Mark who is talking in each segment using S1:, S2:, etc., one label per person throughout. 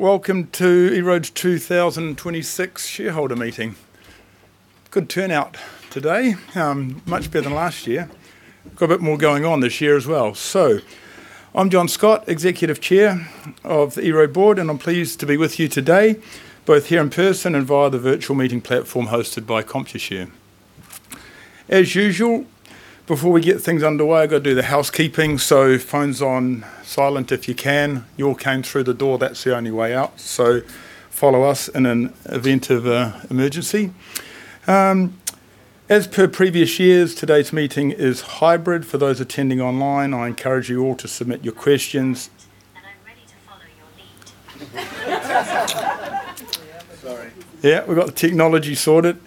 S1: Welcome to EROAD's 2026 shareholder meeting. Good turnout today. Much better than last year. Got a bit more going on this year as well. I'm John Scott, Executive Chair of the EROAD Board, and I'm pleased to be with you today, both here in person and via the virtual meeting platform hosted by Computershare. As usual, before we get things underway, I've got to do the housekeeping. Phones on silent if you can. You all came through the door, that's the only way out, so follow us in an event of an emergency. As per previous years, today's meeting is hybrid. For those attending online, I encourage you all to submit your questions. Yeah, we've got the technology sorted.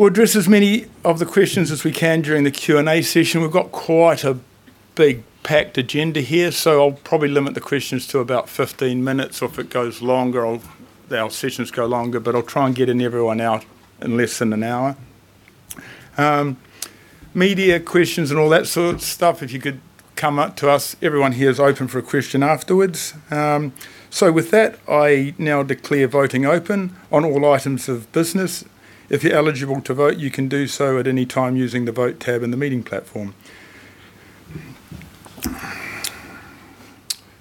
S1: We'll address as many of the questions as we can during the Q&A session. We've got quite a big packed agenda here, I'll probably limit the questions to about 15 minutes, or if it goes longer, our sessions go longer. I'll try and get everyone out in less than an hour. Media questions and all that sort of stuff, if you could come up to us, everyone here is open for a question afterwards. With that, I now declare voting open on all items of business. If you're eligible to vote, you can do so at any time using the Vote tab in the meeting platform.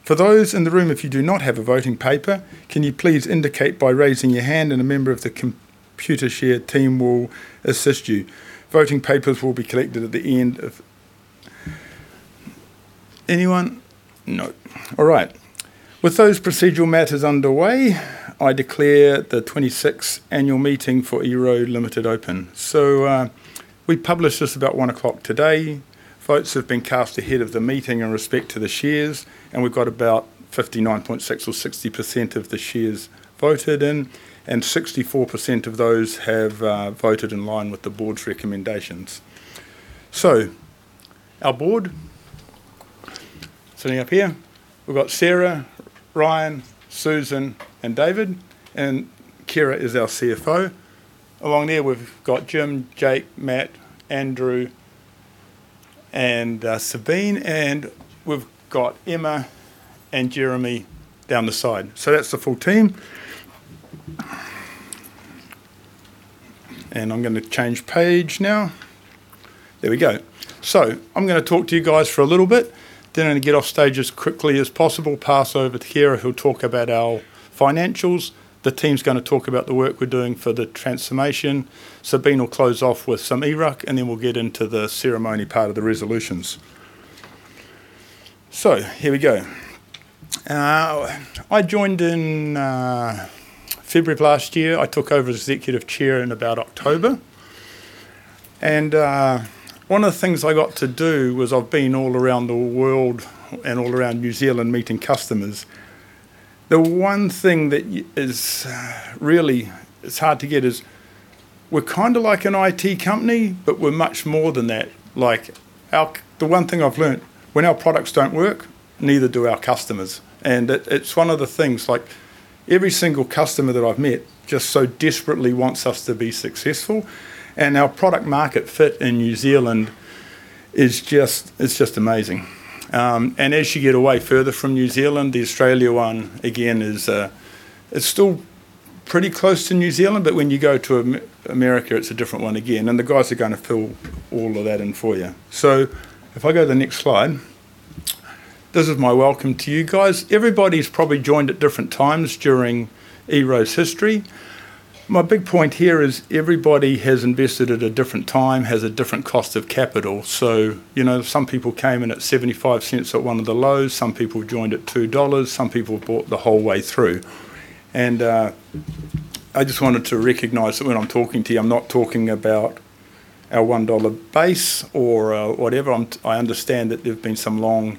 S1: For those in the room, if you do not have a voting paper, can you please indicate by raising your hand and a member of the Computershare team will assist you. Voting papers will be collected at the end of Anyone? No. All right. With those procedural matters underway, I declare the 26th Annual Meeting for EROAD Limited open. We published this about 1:00 today. Votes have been cast ahead of the meeting in respect to the shares, and we've got about 59.6% or 60% of the shares voted in, and 64% of those have voted in line with the board's recommendations. Our board, sitting up here. We've got Sarah, Ryan, Susan, and David, and Ciara is our CFO. Along there we've got Jim, Jake, Matt, Andrew, and Sabine, and we've got Emma and Jeremy down the side. That's the full team. I'm going to change page now. There we go. I'm going to talk to you guys for a little bit, then I'm going to get off stage as quickly as possible, pass over to Ciara, who'll talk about our financials. The team's going to talk about the work we're doing for the transformation. Sabine will close off with some eRUC, and then we'll get into the ceremony part of the resolutions. Here we go. I joined in February of last year. I took over as Executive Chair in about October. One of the things I got to do was I've been all around the world and all around New Zealand meeting customers. The one thing that is really hard to get is we're kind of like an IT company, but we're much more than that. The one thing I've learned, when our products don't work, neither do our customers. It's one of the things, every single customer that I've met just so desperately wants us to be successful, and our product market fit in New Zealand is just amazing. As you get away further from New Zealand, the Australia one again is still pretty close to New Zealand, but when you go to America, it's a different one again, and the guys are going to fill all of that in for you. If I go to the next slide. This is my welcome to you guys. Everybody's probably joined at different times during EROAD's history. My big point here is everybody has invested at a different time, has a different cost of capital. Some people came in at 0.75 at one of the lows, some people joined at 2 dollars, some people bought the whole way through. I just wanted to recognize that when I'm talking to you, I'm not talking about our 1 dollar base or whatever. I understand that there've been some long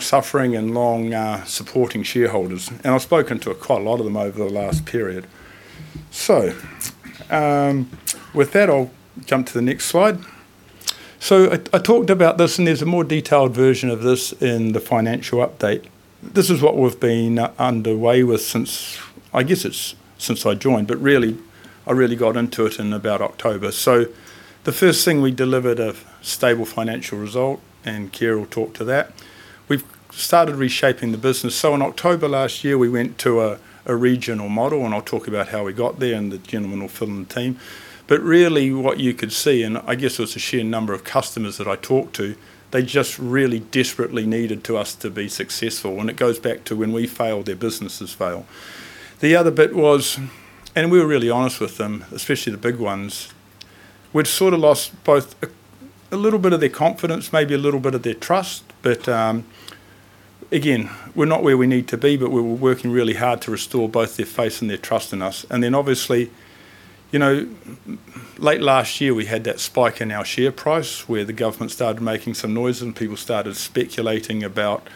S1: suffering and long supporting shareholders, and I've spoken to quite a lot of them over the last period. With that, I'll jump to the next slide. I talked about this, and there's a more detailed version of this in the financial update. This is what we've been underway with since, I guess it's since I joined, but really, I really got into it in about October. The first thing we delivered a stable financial result, and Ciara will talk to that. We've started reshaping the business. In October last year, we went to a regional model, and I'll talk about how we got there, and the gentleman will fill in the team. Really what you could see, and I guess it was the sheer number of customers that I talked to, they just really desperately needed us to be successful, and it goes back to when we fail, their businesses fail. The other bit was, we were really honest with them, especially the big ones. We'd sort of lost both a little bit of their confidence, maybe a little bit of their trust. Again, we're not where we need to be, but we were working really hard to restore both their faith and their trust in us. Then obviously, late last year, we had that spike in our share price where the government started making some noise and people started speculating about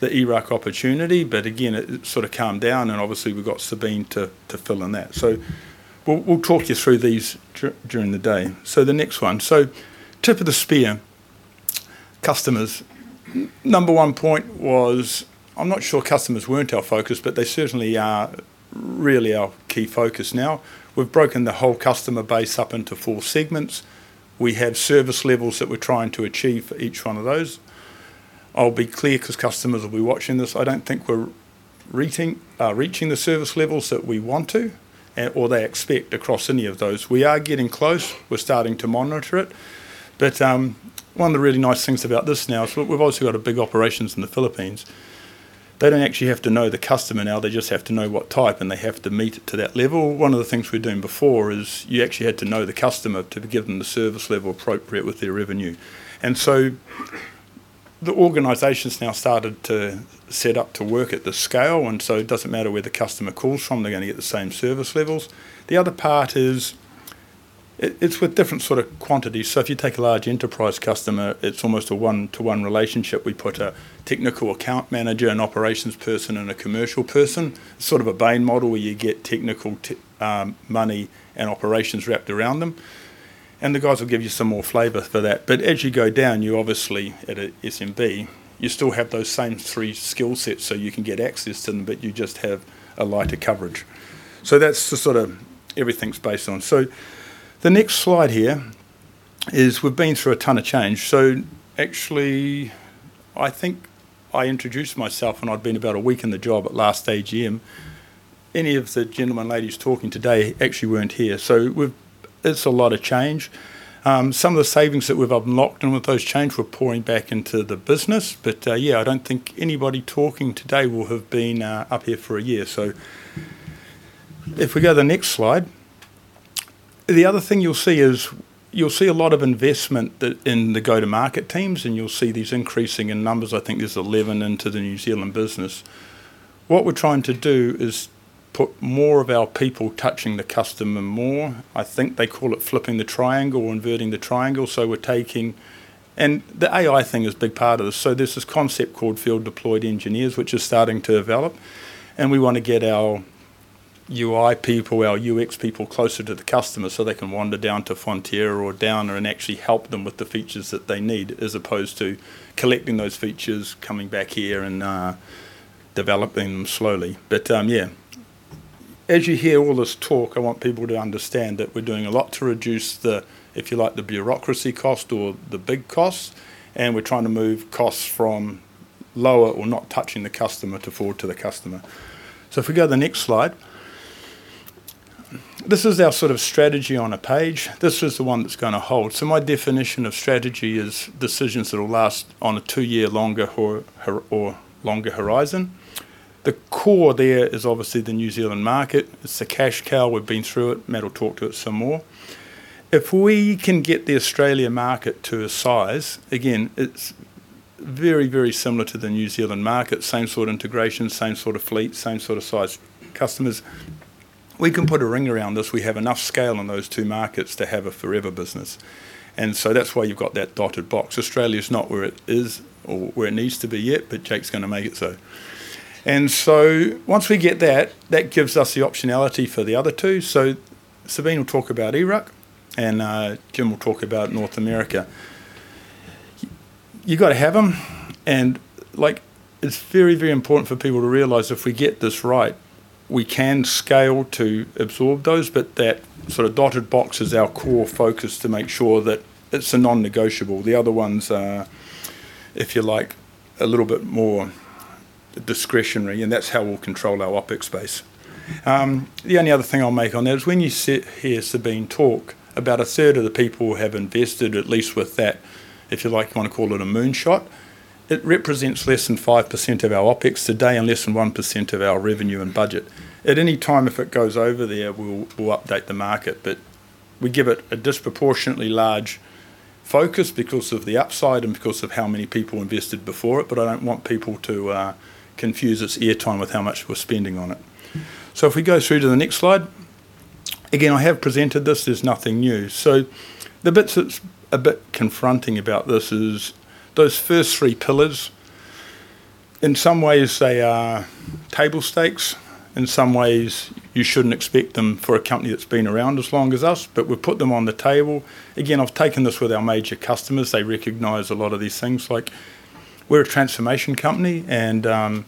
S1: the eRUC opportunity. Again, it sort of calmed down, and obviously we've got Sabine to fill in that. We'll talk you through these during the day. The next 1. Tip of the spear, customers. Number 1 point was, I'm not sure customers weren't our focus, but they certainly are really our key focus now. We've broken the whole customer base up into 4 segments. We have service levels that we're trying to achieve for each 1 of those. I'll be clear, because customers will be watching this, I don't think we're reaching the service levels that we want to, or they expect across any of those. We are getting close. We're starting to monitor it. One of the really nice things about this now is we've also got a big operations in the Philippines. They don't actually have to know the customer now, they just have to know what type, and they have to meet it to that level. One of the things we were doing before is you actually had to know the customer to give them the service level appropriate with their revenue. The organization's now started to set up to work at the scale, and so it doesn't matter where the customer calls from, they're going to get the same service levels. The other part is, it's with different sort of quantities. If you take a large enterprise customer, it's almost a one-to-one relationship. We put a technical account manager, an operations person, and a commercial person, sort of a Bain model where you get technical money and operations wrapped around them. The guys will give you some more flavor for that. As you go down, you obviously, at a SMB, you still have those same three skill sets, so you can get access to them, but you just have a lighter coverage. That's just sort of everything's based on. The next slide here is we've been through a ton of change. Actually, I think I introduced myself when I'd been about a week in the job at last AGM. Any of the gentlemen, ladies talking today actually weren't here. It's a lot of change. Some of the savings that we've unlocked and with those change we're pouring back into the business. Yeah, I don't think anybody talking today will have been up here for a year. If we go to the next slide, the other thing you'll see is, you'll see a lot of investment in the go-to-market teams, and you'll see these increasing in numbers. I think there's 11 into the New Zealand business. What we're trying to do is put more of our people touching the customer more. I think they call it flipping the triangle or inverting the triangle. We're taking. The AI thing is a big part of this. There's this concept called field deployed engineers, which is starting to develop, and we want to get our UI people, our UX people closer to the customer so they can wander down to Fonterra or Downer and actually help them with the features that they need, as opposed to collecting those features, coming back here and developing them slowly. Yeah. As you hear all this talk, I want people to understand that we're doing a lot to reduce the, if you like, the bureaucracy cost or the big costs, and we're trying to move costs from lower or not touching the customer to forward to the customer. If we go the next slide. This is our sort of strategy on a page. This is the one that's going to hold. My definition of strategy is decisions that will last on a two-year longer or longer horizon. The core there is obviously the New Zealand market. It's the cash cow. We've been through it. Matt will talk to it some more. If we can get the Australia market to a size, again, it's very, very similar to the New Zealand market. Same sort of integration, same sort of fleet, same sort of size customers. We can put a ring around this. We have enough scale in those two markets to have a forever business. That's why you've got that dotted box. Australia's not where it is or where it needs to be yet. Jake's going to make it so. Once we get that gives us the optionality for the other two. Sabine will talk about eRUC and Jim will talk about North America. You got to have them, and it's very, very important for people to realize if we get this right, we can scale to absorb those, but that sort of dotted box is our core focus to make sure that it's a non-negotiable. The other ones are, if you like, a little bit more discretionary, and that's how we'll control our OpEx space. The only other thing I'll make on that is when you sit here Sabine talk, about a third of the people have invested, at least with that, if you like, want to call it a moonshot. It represents less than 5% of our OpEx today and less than 1% of our revenue and budget. At any time if it goes over there, we'll update the market. We give it a disproportionately large focus because of the upside and because of how many people invested before it, I don't want people to confuse its air time with how much we're spending on it. If we go through to the next slide. Again, I have presented this. There's nothing new. The bits that's a bit confronting about this is those first three pillars. In some ways, they are table stakes. In some ways, you shouldn't expect them for a company that's been around as long as us, but we've put them on the table. I've taken this with our major customers. They recognize a lot of these things, like we're a transformation company, and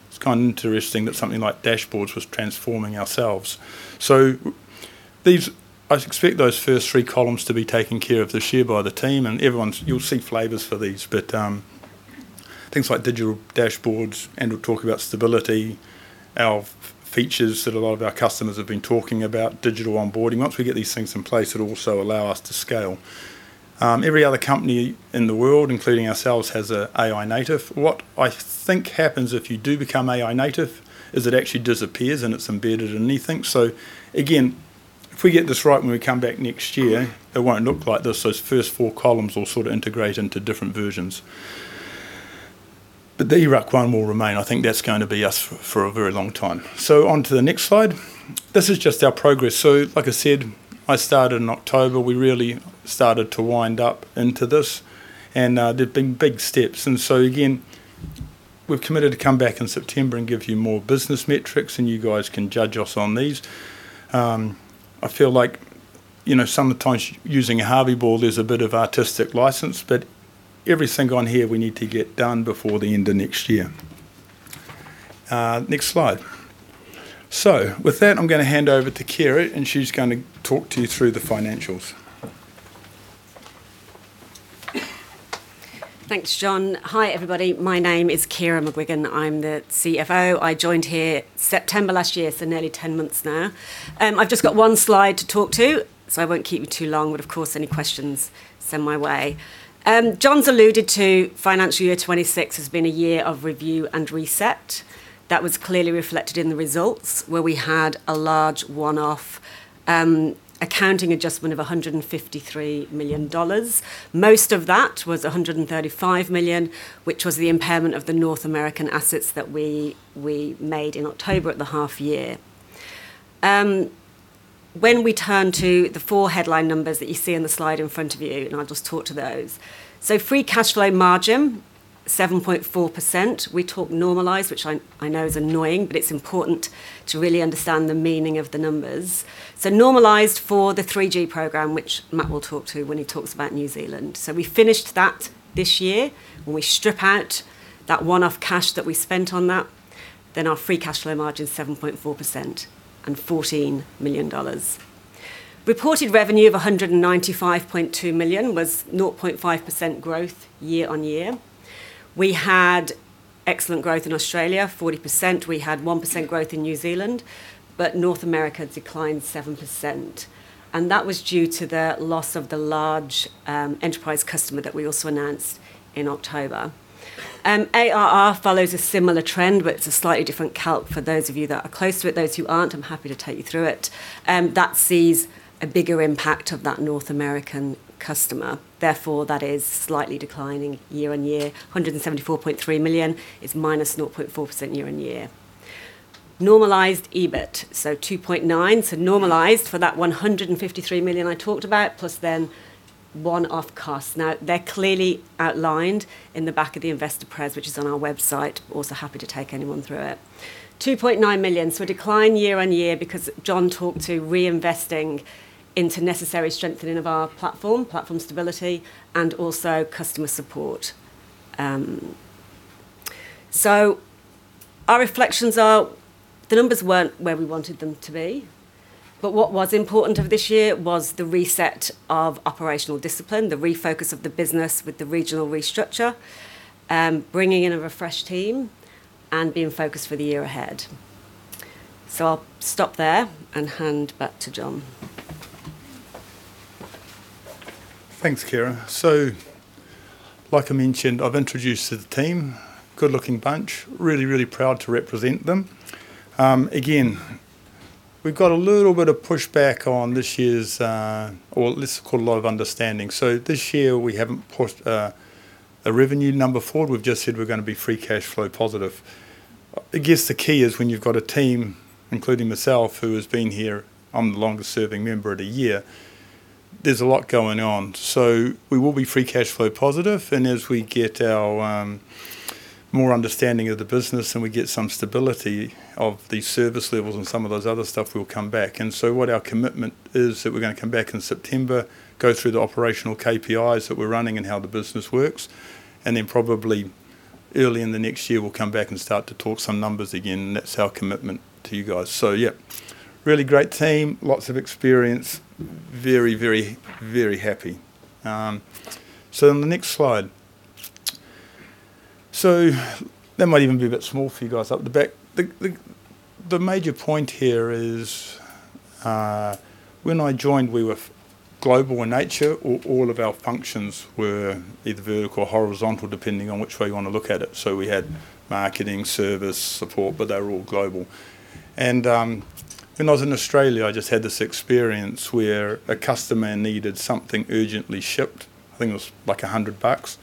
S1: it's kind of interesting that something like dashboards was transforming ourselves. I expect those first three columns to be taken care of this year by the team. You'll see flavors for these. Things like digital dashboards, and we'll talk about stability, our features that a lot of our customers have been talking about, digital onboarding. Once we get these things in place, it'll also allow us to scale. Every other company in the world, including ourselves, has a AI native. I think what happens if you do become AI native is it actually disappears, and it's embedded in anything. Again, if we get this right when we come back next year, it won't look like this. Those first four columns will sort of integrate into different versions. The EROAD one will remain. I think that's going to be us for a very long time. On to the next slide. This is just our progress. Like I said, I started in October. We really started to wind up into this, and there's been big steps. Again, we've committed to come back in September and give you more business metrics, and you guys can judge us on these. I feel like sometimes using a Harvey ball, there's a bit of artistic license, but everything on here we need to get done before the end of next year. Next slide. With that, I'm going to hand over to Ciara, and she's going to talk to you through the financials.
S2: Thanks, John. Hi, everybody. My name is Ciara McGuigan. I'm the CFO. I joined here September last year, so nearly 10 months now. I've just got one slide to talk to, I won't keep you too long, but of course, any questions, send my way. John's alluded to financial year 2026 has been a year of review and reset. That was clearly reflected in the results, where we had a large one-off accounting adjustment of 153 million dollars. Most of that was 135 million, which was the impairment of the North American assets that we made in October at the half year. When we turn to the four headline numbers that you see on the slide in front of you, and I'll just talk to those. Free cash flow margin, 7.4%. We talk normalized, which I know is annoying, but it's important to really understand the meaning of the numbers. Normalized for the 3G program, which Matt will talk to when he talks about New Zealand. We finished that this year. When we strip out that one-off cash that we spent on that, then our free cash flow margin is 7.4% and 14 million dollars. Reported revenue of 195.2 million was 0.5% growth year-on-year. We had excellent growth in Australia, 40%. We had 1% growth in New Zealand, but North America declined 7%, and that was due to the loss of the large enterprise customer that we also announced in October. ARR follows a similar trend, but it's a slightly different calc for those of you that are close to it. Those who aren't, I'm happy to take you through it. That sees a bigger impact of that North American customer. Therefore, that is slightly declining year-on-year. 174.3 million is minus 0.4% year-on-year. Normalized EBIT, 2.9 million. Normalized for that 153 million I talked about, plus then one-off costs. They're clearly outlined in the back of the investor press, which is on our website. Also happy to take anyone through it. 2.9 million, a decline year-on-year because John talked to reinvesting into necessary strengthening of our platform stability, and also customer support. Our reflections are the numbers weren't where we wanted them to be, but what was important of this year was the reset of operational discipline, the refocus of the business with the regional restructure, bringing in a refreshed team, and being focused for the year ahead. I'll stop there and hand back to John.
S1: Thanks, Ciara. Like I mentioned, I've introduced the team. Good-looking bunch. Really proud to represent them. Again, we've got a little bit of pushback on this year's, or let's call it a lot of understanding. This year, we haven't pushed a revenue number forward. We've just said we're going to be free cash flow positive. I guess the key is when you've got a team, including myself, who has been here, I'm the longest serving member at a year, there's a lot going on. We will be free cash flow positive, and as we get our more understanding of the business, and we get some stability of the service levels and some of those other stuff, we'll come back. What our commitment is that we're going to come back in September, go through the operational KPIs that we're running and how the business works, and then probably early in the next year, we'll come back and start to talk some numbers again. That's our commitment to you guys. Yeah, really great team. Lots of experience. Very happy. On the next slide. That might even be a bit small for you guys up the back. The major point here is when I joined, we were global in nature. All of our functions were either vertical or horizontal, depending on which way you want to look at it. We had marketing, service, support, but they were all global. When I was in Australia, I just had this experience where a customer needed something urgently shipped. I think it was like 100 bucks.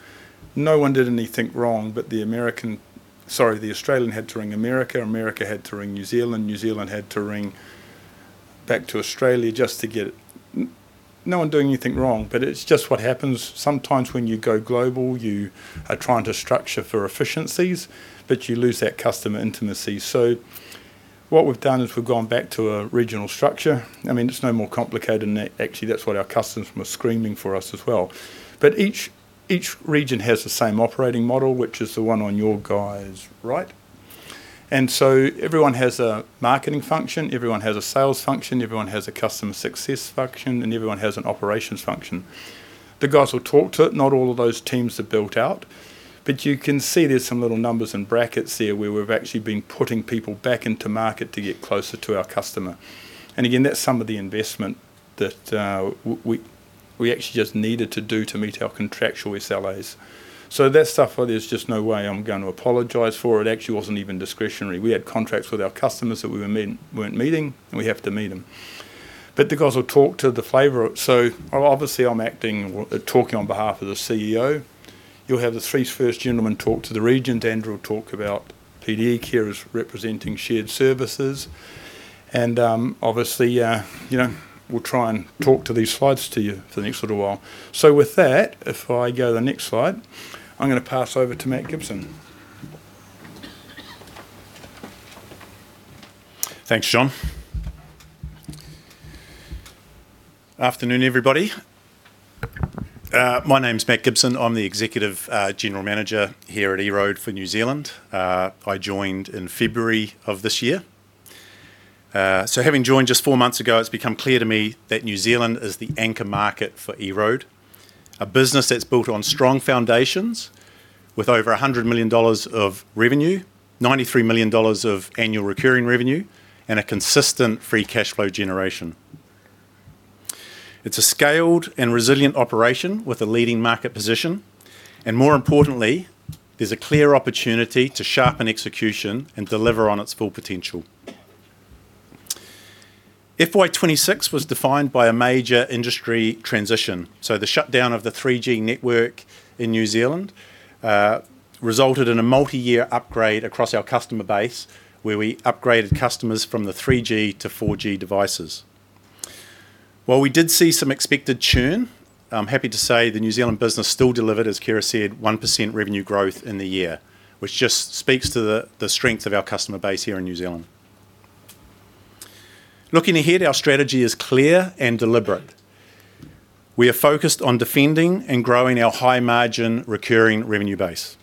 S1: No one did anything wrong, the Australian had to ring the U.S., the U.S. had to ring New Zealand, New Zealand had to ring back to Australia just to get it. No one doing anything wrong, it's just what happens. Sometimes when you go global, you are trying to structure for efficiencies, but you lose that customer intimacy. What we've done is we've gone back to a regional structure. It's no more complicated than that. Actually, that's what our customers were screaming for us as well. Each region has the same operating model, which is the one on your guys', right? Everyone has a marketing function, everyone has a sales function, everyone has a customer success function, and everyone has an operations function. The guys will talk to it. Not all of those teams are built out, you can see there's some little numbers and brackets there where we've actually been putting people back into market to get closer to our customer. Again, that's some of the investment that we actually just needed to do to meet our contractual SLAs. That stuff, there's just no way I'm going to apologize for. It actually wasn't even discretionary. We had contracts with our customers that we weren't meeting, and we have to meet them. The guys will talk to the flavor of it. Obviously, I'm talking on behalf of the CEO. You'll have the three first gentlemen talk to the regions. Andrew will talk about PD&E. Ciara's representing shared services. Obviously, we'll try and talk to these slides to you for the next little while. With that, if I go to the next slide, I'm going to pass over to Matt Gibson.
S3: Thanks, John Afternoon, everybody. My name's Matt Gibson. I'm the Executive General Manager here at EROAD for New Zealand. I joined in February of this year. Having joined just four months ago, it's become clear to me that New Zealand is the anchor market for EROAD, a business that's built on strong foundations with over 100 million dollars of revenue, 93 million dollars of annual recurring revenue, and a consistent free cash flow generation. It's a scaled and resilient operation with a leading market position, and more importantly, there's a clear opportunity to sharpen execution and deliver on its full potential. FY 2026 was defined by a major industry transition. The shutdown of the 3G network in New Zealand resulted in a multi-year upgrade across our customer base, where we upgraded customers from the 3G to 4G devices. While we did see some expected churn, I'm happy to say the New Zealand business still delivered, as Ciara said, 1% revenue growth in the year, which just speaks to the strength of our customer base here in New Zealand. Looking ahead, our strategy is clear and deliberate. We are focused on defending and growing our high margin recurring revenue base.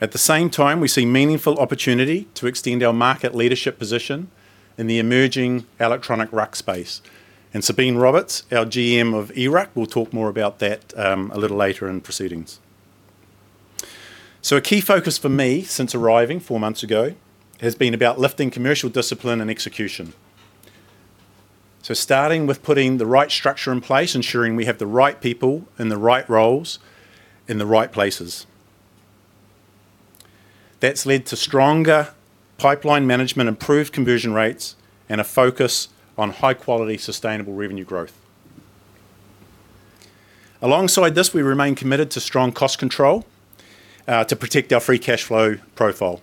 S3: At the same time, we see meaningful opportunity to extend our market leadership position in the emerging eRUC space. Sabine Roberts, our GM of eRUC, will talk more about that a little later in proceedings. A key focus for me since arriving four months ago has been about lifting commercial discipline and execution. Starting with putting the right structure in place, ensuring we have the right people in the right roles in the right places. That's led to stronger pipeline management, improved conversion rates, and a focus on high-quality, sustainable revenue growth. Alongside this, we remain committed to strong cost control, to protect our free cash flow profile.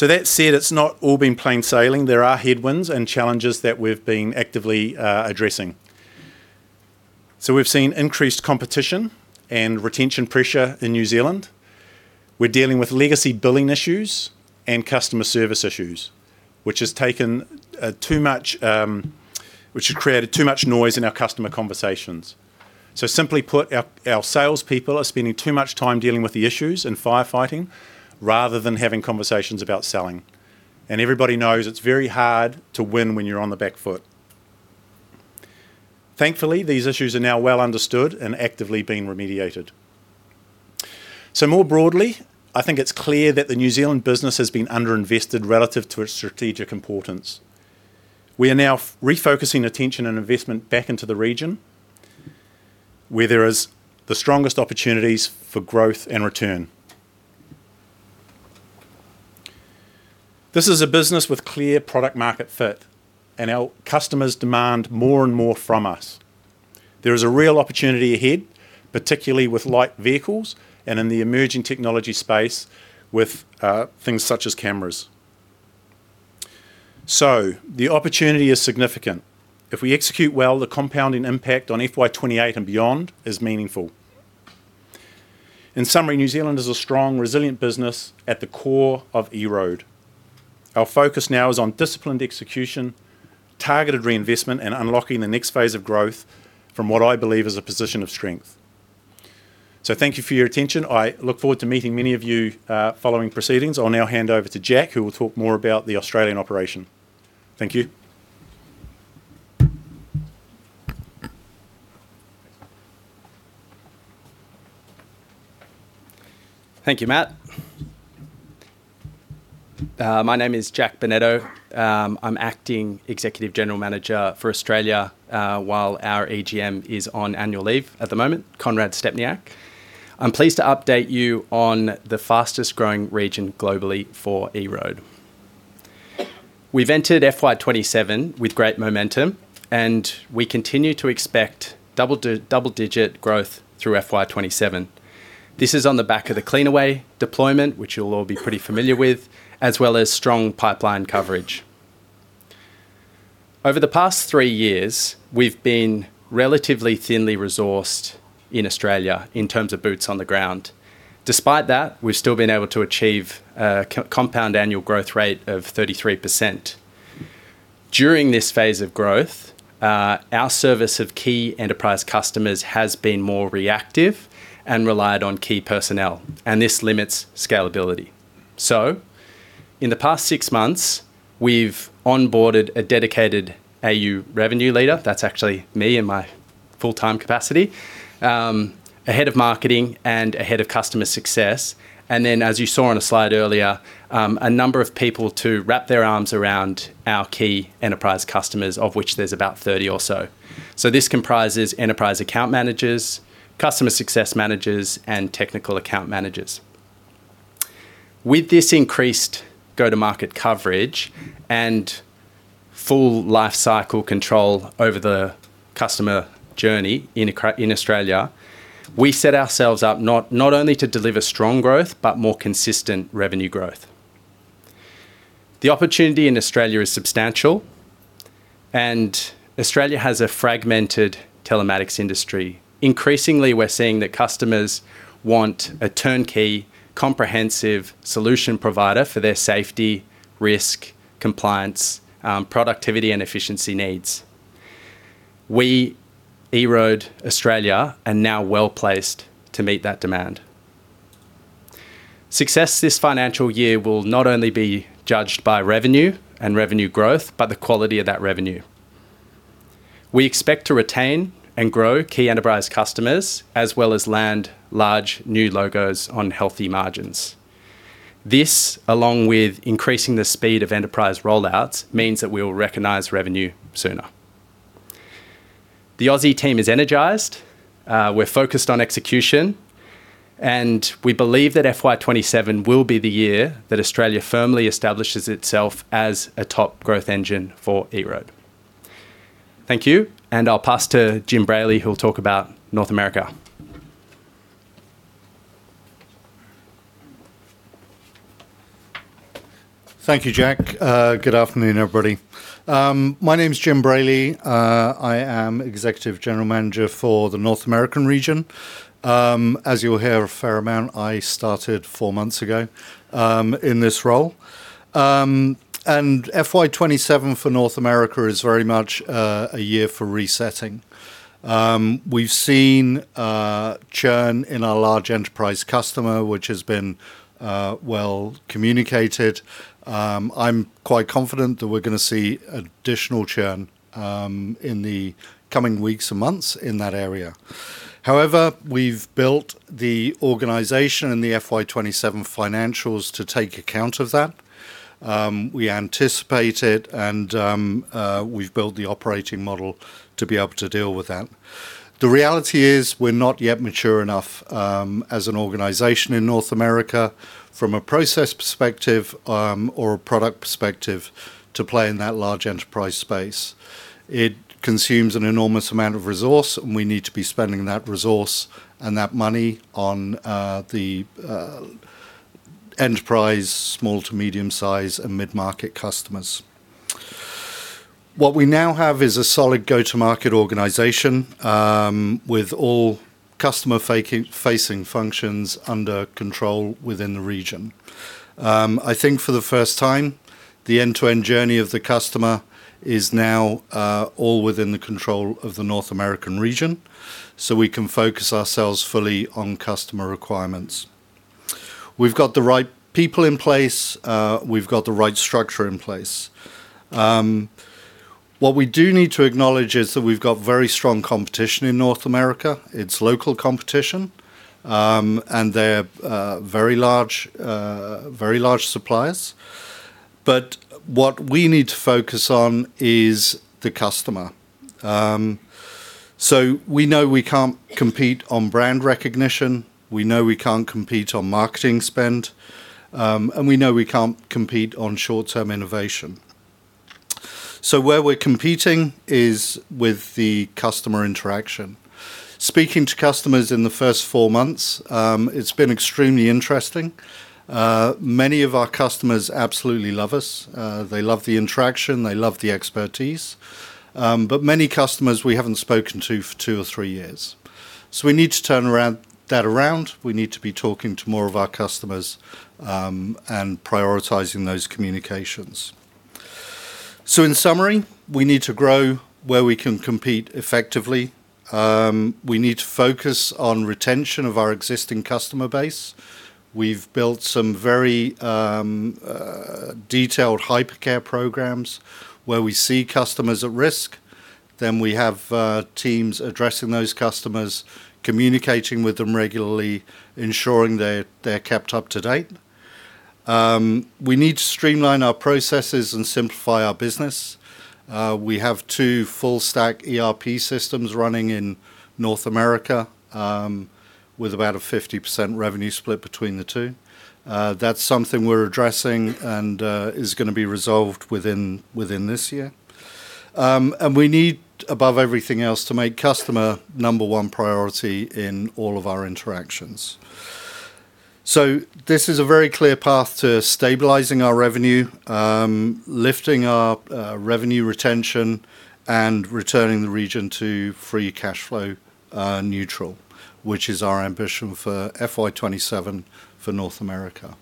S3: That said, it's not all been plain sailing. There are headwinds and challenges that we've been actively addressing. We've seen increased competition and retention pressure in New Zealand. We're dealing with legacy billing issues and customer service issues, which has created too much noise in our customer conversations. Simply put, our salespeople are spending too much time dealing with the issues and firefighting rather than having conversations about selling. Everybody knows it's very hard to win when you're on the back foot. Thankfully, these issues are now well understood and actively being remediated. More broadly, I think it's clear that the New Zealand business has been under-invested relative to its strategic importance. We are now refocusing attention and investment back into the region, where there is the strongest opportunities for growth and return. This is a business with clear product market fit, and our customers demand more and more from us. There is a real opportunity ahead, particularly with light vehicles and in the emerging technology space with things such as cameras. The opportunity is significant. If we execute well, the compounding impact on FY 2028 and beyond is meaningful. In summary, New Zealand is a strong, resilient business at the core of EROAD. Our focus now is on disciplined execution, targeted reinvestment, and unlocking the next phase of growth from what I believe is a position of strength. Thank you for your attention. I look forward to meeting many of you following proceedings. I'll now hand over to Jack, who will talk more about the Australian operation. Thank you.
S4: Thank you, Matt. My name is Jack Bonetto. I'm Acting Executive General Manager for Australia, while our EGM is on annual leave at the moment, Konrad Stempniak. I'm pleased to update you on the fastest growing region globally for EROAD. We've entered FY 2027 with great momentum. We continue to expect double-digit growth through FY 2027. This is on the back of the Cleanaway deployment, which you'll all be pretty familiar with, as well as strong pipeline coverage. Over the past three years, we've been relatively thinly resourced in Australia in terms of boots on the ground. Despite that, we've still been able to achieve a compound annual growth rate of 33%. During this phase of growth, our service of key enterprise customers has been more reactive and relied on key personnel. This limits scalability. In the past six months, we've onboarded a dedicated AU revenue leader. That's actually me in my full-time capacity, a head of marketing and a head of customer success. As you saw on a slide earlier, a number of people to wrap their arms around our key enterprise customers, of which there's about 30 or so. This comprises enterprise account managers, customer success managers, and technical account managers. With this increased go-to-market coverage and full lifecycle control over the customer journey in Australia, we set ourselves up not only to deliver strong growth, but more consistent revenue growth. The opportunity in Australia is substantial. Australia has a fragmented telematics industry. Increasingly, we're seeing that customers want a turnkey, comprehensive solution provider for their safety, risk, compliance, productivity, and efficiency needs. We, EROAD Australia, are now well-placed to meet that demand. Success this financial year will not only be judged by revenue and revenue growth, but the quality of that revenue. We expect to retain and grow key enterprise customers, as well as land large new logos on healthy margins. This, along with increasing the speed of enterprise rollouts, means that we will recognize revenue sooner. The Aussie team is energized. We're focused on execution. We believe that FY 2027 will be the year that Australia firmly establishes itself as a top growth engine for EROAD. Thank you. I'll pass to Jim Brailey, who will talk about North America.
S5: Thank you, Jack. Good afternoon, everybody. My name's Jim Brailey. I am Executive General Manager for the North American region. As you will hear a fair amount, I started four months ago in this role. FY 2027 for North America is very much a year for resetting. We've seen churn in our large enterprise customer, which has been well communicated. I'm quite confident that we're going to see additional churn in the coming weeks and months in that area. However, we've built the organization and the FY 2027 financials to take account of that. We anticipate it. We've built the operating model to be able to deal with that. The reality is we're not yet mature enough as an organization in North America from a process perspective or a product perspective to play in that large enterprise space. It consumes an enormous amount of resource, we need to be spending that resource and that money on the enterprise small to medium size and mid-market customers. What we now have is a solid go-to-market organization with all customer-facing functions under control within the region. I think for the first time, the end-to-end journey of the customer is now all within the control of the North American region, we can focus ourselves fully on customer requirements. We've got the right people in place. We've got the right structure in place. What we do need to acknowledge is that we've got very strong competition in North America. It's local competition, they're very large suppliers. What we need to focus on is the customer. We know we can't compete on brand recognition, we know we can't compete on marketing spend, we know we can't compete on short-term innovation. Where we're competing is with the customer interaction. Speaking to customers in the first four months, it's been extremely interesting. Many of our customers absolutely love us. They love the interaction, they love the expertise. Many customers we haven't spoken to for two or three years. We need to turn that around. We need to be talking to more of our customers and prioritizing those communications. In summary, we need to grow where we can compete effectively. We need to focus on retention of our existing customer base. We've built some very detailed hypercare programs where we see customers at risk. We have teams addressing those customers, communicating with them regularly, ensuring they're kept up to date. We need to streamline our processes and simplify our business. We have two full stack ERP systems running in North America, with about a 50% revenue split between the two. That's something we're addressing and is going to be resolved within this year. We need, above everything else, to make customer number one priority in all of our interactions. This is a very clear path to stabilizing our revenue, lifting our revenue retention, and returning the region to free cash flow neutral, which is our ambition for FY 2027 for North America.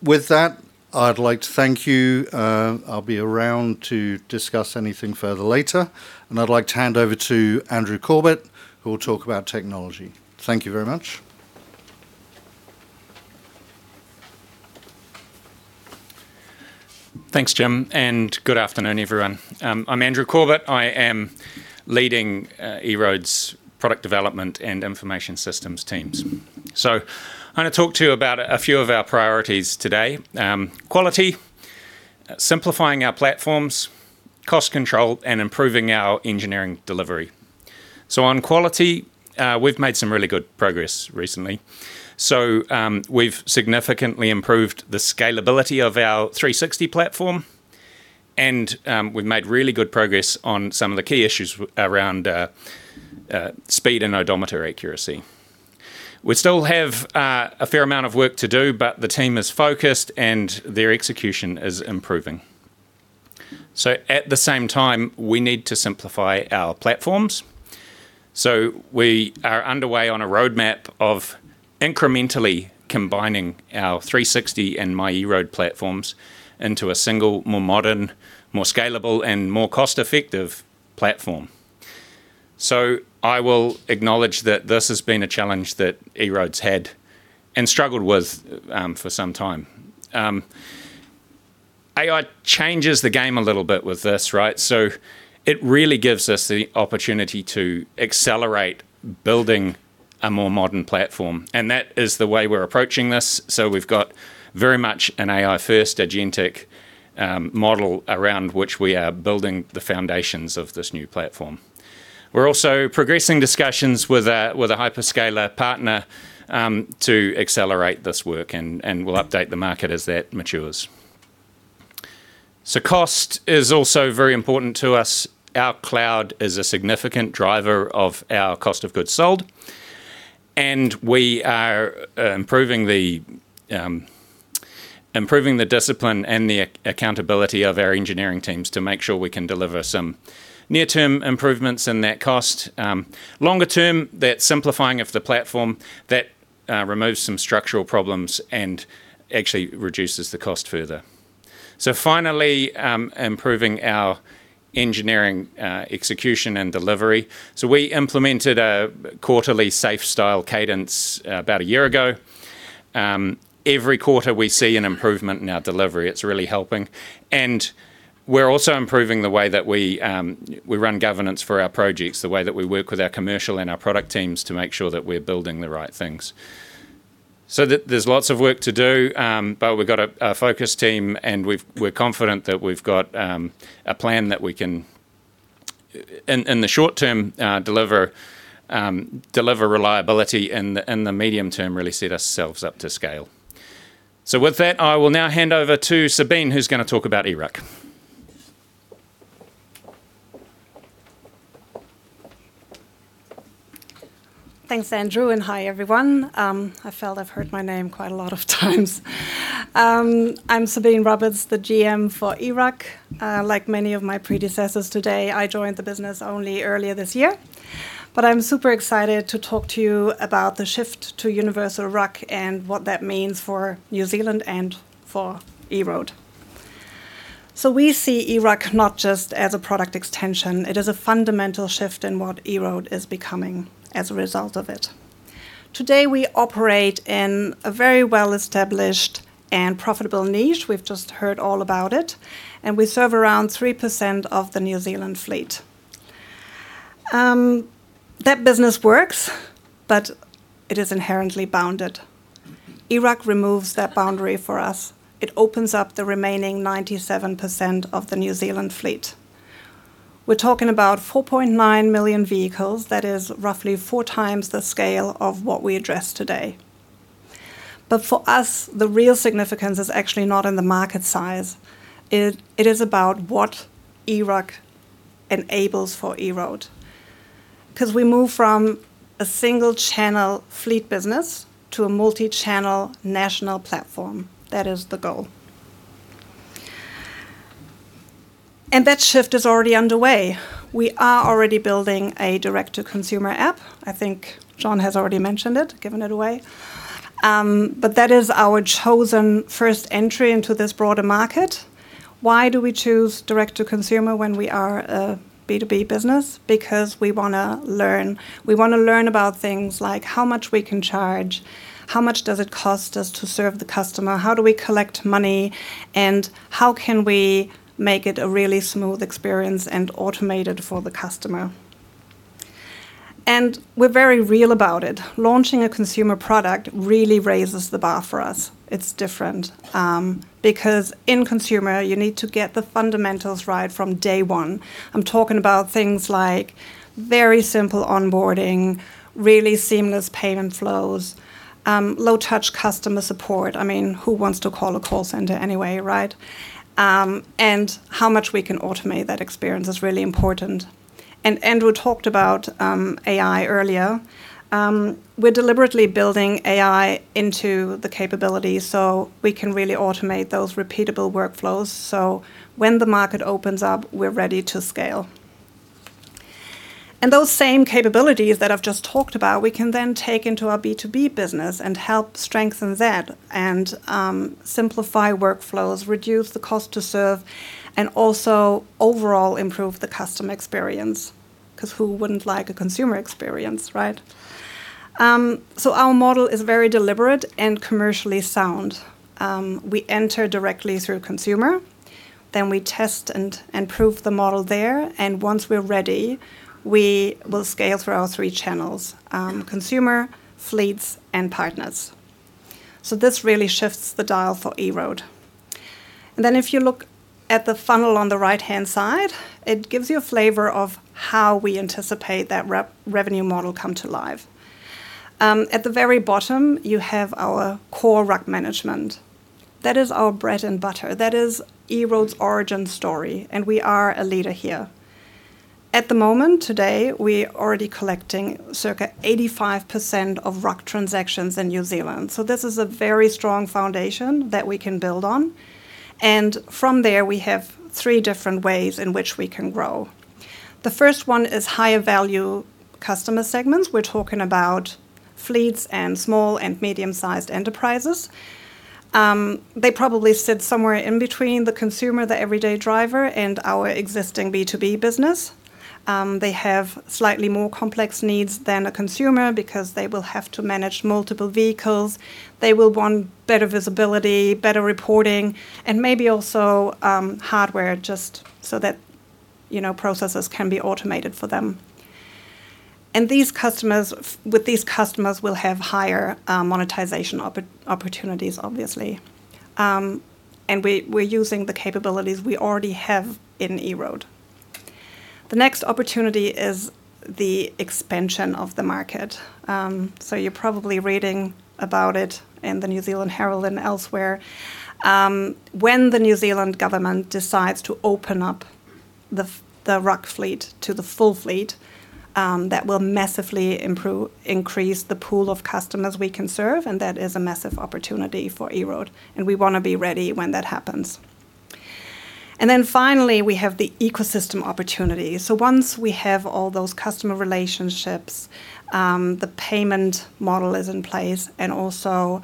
S5: With that, I'd like to thank you. I'll be around to discuss anything further later, and I'd like to hand over to Andrew Corbett, who will talk about technology. Thank you very much.
S6: Thanks, Jim, and good afternoon, everyone. I'm Andrew Corbett. I am leading EROAD's product development and information systems teams. I'm going to talk to you about a few of our priorities today. Quality, simplifying our platforms, cost control, and improving our engineering delivery. On quality, we've made some really good progress recently. We've significantly improved the scalability of our 360 platform, we've made really good progress on some of the key issues around speed and odometer accuracy. We still have a fair amount of work to do, the team is focused, and their execution is improving. At the same time, we need to simplify our platforms. We are underway on a roadmap of incrementally combining our 360 and MyEROAD platforms into a single, more modern, more scalable, and more cost-effective platform. I will acknowledge that this has been a challenge that EROAD's had and struggled with for some time. AI changes the game a little bit with this, right? It really gives us the opportunity to accelerate building a more modern platform, and that is the way we're approaching this. We've got very much an AI-first agentic model around which we are building the foundations of this new platform. We're also progressing discussions with a hyperscaler partner to accelerate this work, and we'll update the market as that matures. Cost is also very important to us. Our cloud is a significant driver of our cost of goods sold, and we are improving the discipline and the accountability of our engineering teams to make sure we can deliver some near-term improvements in that cost. Longer term, that simplifying of the platform, that removes some structural problems and actually reduces the cost further. Finally, improving our engineering execution and delivery. We implemented a quarterly SAFe style cadence about a year ago. Every quarter, we see an improvement in our delivery. It's really helping. We're also improving the way that we run governance for our projects, the way that we work with our commercial and our product teams to make sure that we're building the right things. There's lots of work to do. We've got a focused team, and we're confident that we've got a plan that we can, in the short term, deliver reliability and in the medium term, really set ourselves up to scale. With that, I will now hand over to Sabine, who's going to talk about eRUC.
S7: Thanks, Andrew, and hi, everyone. I felt I've heard my name quite a lot of times. I'm Sabine Roberts, the GM for eRUC. Like many of my predecessors today, I joined the business only earlier this year, but I'm super excited to talk to you about the shift to universal RUC and what that means for New Zealand and for EROAD. We see eRUC not just as a product extension. It is a fundamental shift in what EROAD is becoming as a result of it. Today, we operate in a very well-established and profitable niche. We've just heard all about it, and we serve around 3% of the New Zealand fleet. That business works, but it is inherently bounded. eRUC removes that boundary for us. It opens up the remaining 97% of the New Zealand fleet. We're talking about 4.9 million vehicles. That is roughly four times the scale of what we address today. For us, the real significance is actually not in the market size. It is about what eRUC enables for EROAD. We move from a single-channel fleet business to a multi-channel national platform. That is the goal. That shift is already underway. We are already building a direct-to-consumer app. I think John has already mentioned it, given it away. That is our chosen first entry into this broader market. Why do we choose direct to consumer when we are a B2B business? We want to learn. We want to learn about things like how much we can charge, how much does it cost us to serve the customer, how do we collect money, and how can we make it a really smooth experience and automate it for the customer. We're very real about it. Launching a consumer product really raises the bar for us. It's different, because in consumer, you need to get the fundamentals right from day one. I'm talking about things like very simple onboarding, really seamless payment flows, low-touch customer support. I mean, who wants to call a call center anyway, right? How much we can automate that experience is really important. Andrew talked about AI earlier. We're deliberately building AI into the capability so we can really automate those repeatable workflows, so when the market opens up, we're ready to scale. Those same capabilities that I've just talked about, we can then take into our B2B business and help strengthen that and simplify workflows, reduce the cost to serve, and also overall improve the customer experience. Because who wouldn't like a consumer experience, right? Our model is very deliberate and commercially sound. We enter directly through consumer, then we test and prove the model there, and once we're ready, we will scale through our three channels, consumer, fleets, and partners. This really shifts the dial for EROAD. If you look at the funnel on the right-hand side, it gives you a flavor of how we anticipate that revenue model come to life. At the very bottom, you have our core RUC management. That is our bread and butter. That is EROAD's origin story, and we are a leader here. At the moment, today, we are already collecting circa 85% of RUC transactions in New Zealand. This is a very strong foundation that we can build on. From there, we have three different ways in which we can grow. The first one is higher value customer segments. We're talking about fleets and small and medium-sized enterprises. They probably sit somewhere in between the consumer, the everyday driver, and our existing B2B business. They have slightly more complex needs than a consumer because they will have to manage multiple vehicles. They will want better visibility, better reporting, and maybe also hardware just so that processes can be automated for them. With these customers we'll have higher monetization opportunities, obviously. We're using the capabilities we already have in EROAD. The next opportunity is the expansion of the market. You're probably reading about it in The New Zealand Herald and elsewhere. When the New Zealand government decides to open up the RUC fleet to the full fleet, that will massively increase the pool of customers we can serve, and that is a massive opportunity for EROAD, and we want to be ready when that happens. Finally, we have the ecosystem opportunity. Once we have all those customer relationships, the payment model is in place, and also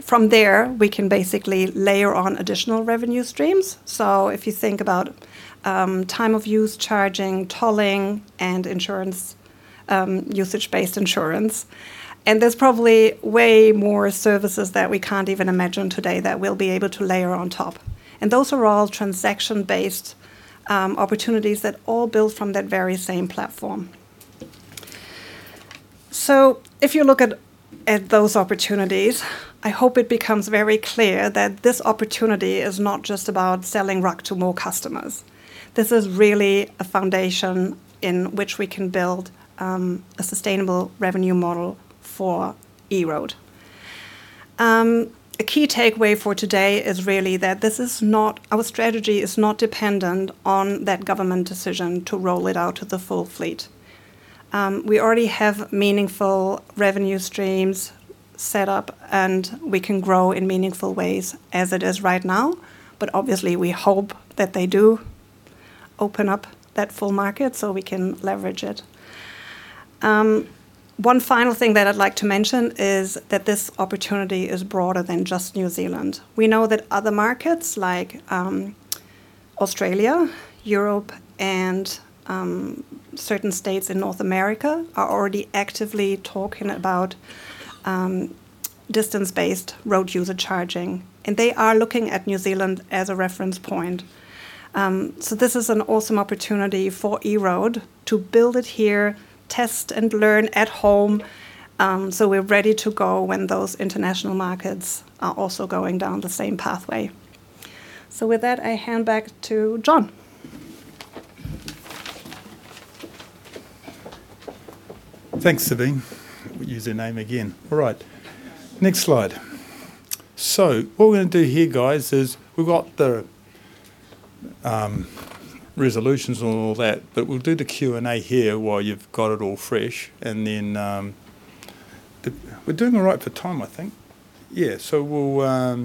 S7: from there we can basically layer on additional revenue streams. If you think about time of use charging, tolling, and usage-based insurance. There's probably way more services that we can't even imagine today that we'll be able to layer on top. Those are all transaction-based opportunities that all build from that very same platform. If you look at those opportunities, I hope it becomes very clear that this opportunity is not just about selling RUC to more customers. This is really a foundation in which we can build a sustainable revenue model for EROAD. A key takeaway for today is really that our strategy is not dependent on that government decision to roll it out to the full fleet. We already have meaningful revenue streams set up, we can grow in meaningful ways as it is right now. Obviously we hope that they do open up that full market so we can leverage it. One final thing that I'd like to mention is that this opportunity is broader than just New Zealand. We know that other markets like Australia, Europe, and certain states in North America are already actively talking about distance-based road user charging, they are looking at New Zealand as a reference point. This is an awesome opportunity for EROAD to build it here, test, and learn at home, so we're ready to go when those international markets are also going down the same pathway. With that, I hand back to John.
S1: Thanks, Sabine. Use your name again. All right. Next slide. What we're going to do here, guys, is we've got the resolutions and all that, we'll do the Q&A here while you've got it all fresh, We're doing all right for time, I think. Yeah. We'll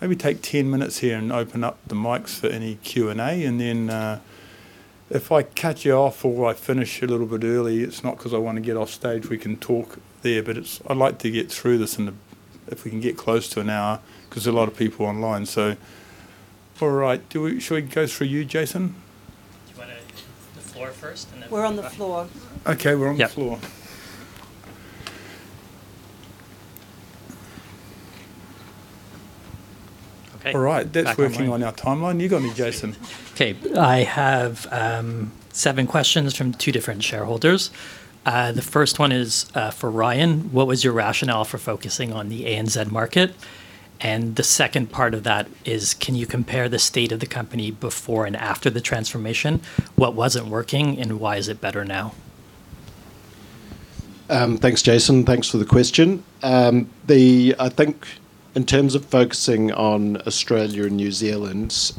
S1: maybe take 10 minutes here and open up the mics for any Q&A, then if I cut you off or I finish a little bit early, it's not because I want to get off stage. We can talk there. I'd like to get through this in if we can get close to an hour, because there are a lot of people online. All right. Should we go through you, Jason?
S8: Do you want to do the floor first and then-
S2: We're on the floor.
S1: Okay. We're on the floor.
S8: Yeah. Okay.
S1: All right. That's working on our timeline. You got me, Jason.
S8: Okay. I have seven questions from two different shareholders. The first one is for Ryan. What was your rationale for focusing on the ANZ market? The second part of that is, can you compare the state of the company before and after the transformation? What wasn't working, and why is it better now?
S9: Thanks, Jason. Thanks for the question. I think in terms of focusing on Australia and New Zealand,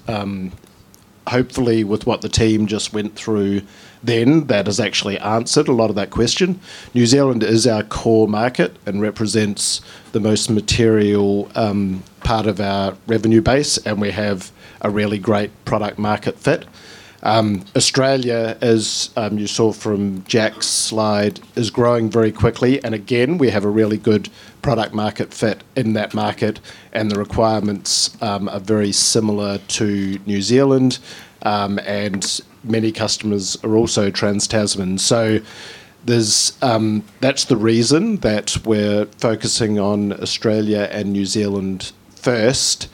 S9: hopefully with what the team just went through then, that has actually answered a lot of that question. New Zealand is our core market and represents the most material part of our revenue base, and we have a really great product market fit. Australia, as you saw from Jack's slide, is growing very quickly, and again, we have a really good product market fit in that market, and the requirements are very similar to New Zealand. Many customers are also trans-Tasman. That's the reason that we're focusing on Australia and New Zealand first,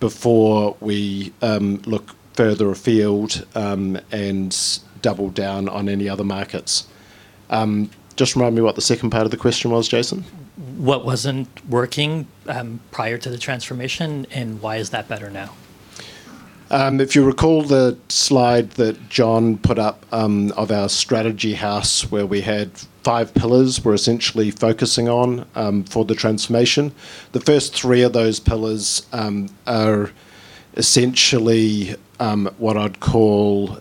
S9: before we look further afield, and double down on any other markets. Just remind me what the second part of the question was, Jason.
S8: What wasn't working prior to the transformation, and why is that better now?
S9: If you recall the slide that John put up of our strategy house where we had five pillars we're essentially focusing on for the transformation. The first three of those pillars are essentially what I'd call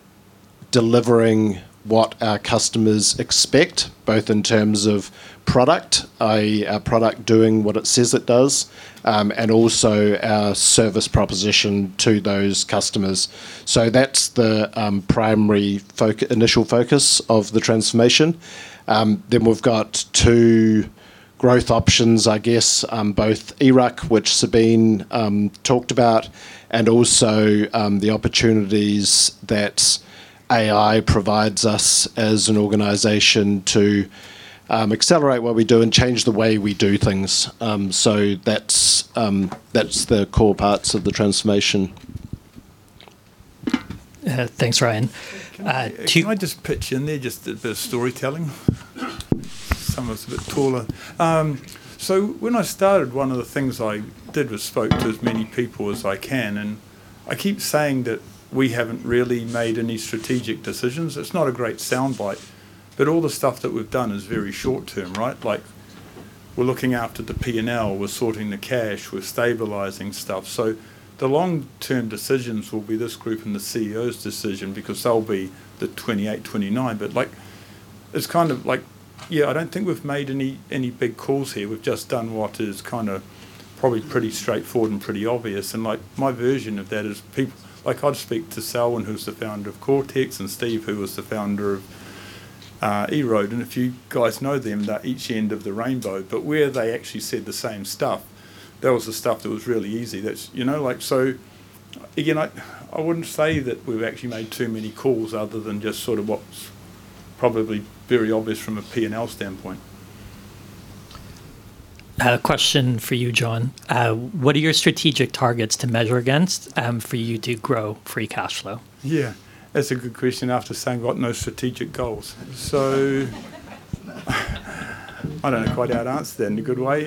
S9: Delivering what our customers expect, both in terms of product, i.e., our product doing what it says it does, and also our service proposition to those customers. That's the primary initial focus of the transformation. We've got two growth options, I guess, both eRUC, which Sabine talked about, and also the opportunities that AI provides us as an organization to accelerate what we do and change the way we do things. That's the core parts of the transformation.
S8: Thanks, Ryan.
S1: Can I just pitch in there, just for storytelling? Someone's a bit taller. When I started, one of the things I did was spoke to as many people as I can, and I keep saying that we haven't really made any strategic decisions. It's not a great soundbite, but all the stuff that we've done is very short term, right? We're looking after the P&L, we're sorting the cash, we're stabilizing stuff. The long-term decisions will be this group and the CEO's decision because they'll be the 2028, 2029, but it's kind of like, yeah, I don't think we've made any big calls here. We've just done what is probably pretty straightforward and pretty obvious. My version of that is people. I'd speak to Selwyn, who's the founder of Coretex, and Steve, who was the founder of EROAD. If you guys know them, they're each end of the rainbow. Where they actually said the same stuff, that was the stuff that was really easy. Again, I wouldn't say that we've actually made too many calls other than just sort of what's probably very obvious from a P&L standpoint.
S8: A question for you, John. What are your strategic targets to measure against for you to grow free cash flow?
S1: That's a good question after saying we've got no strategic goals. I don't know quite how to answer that in a good way.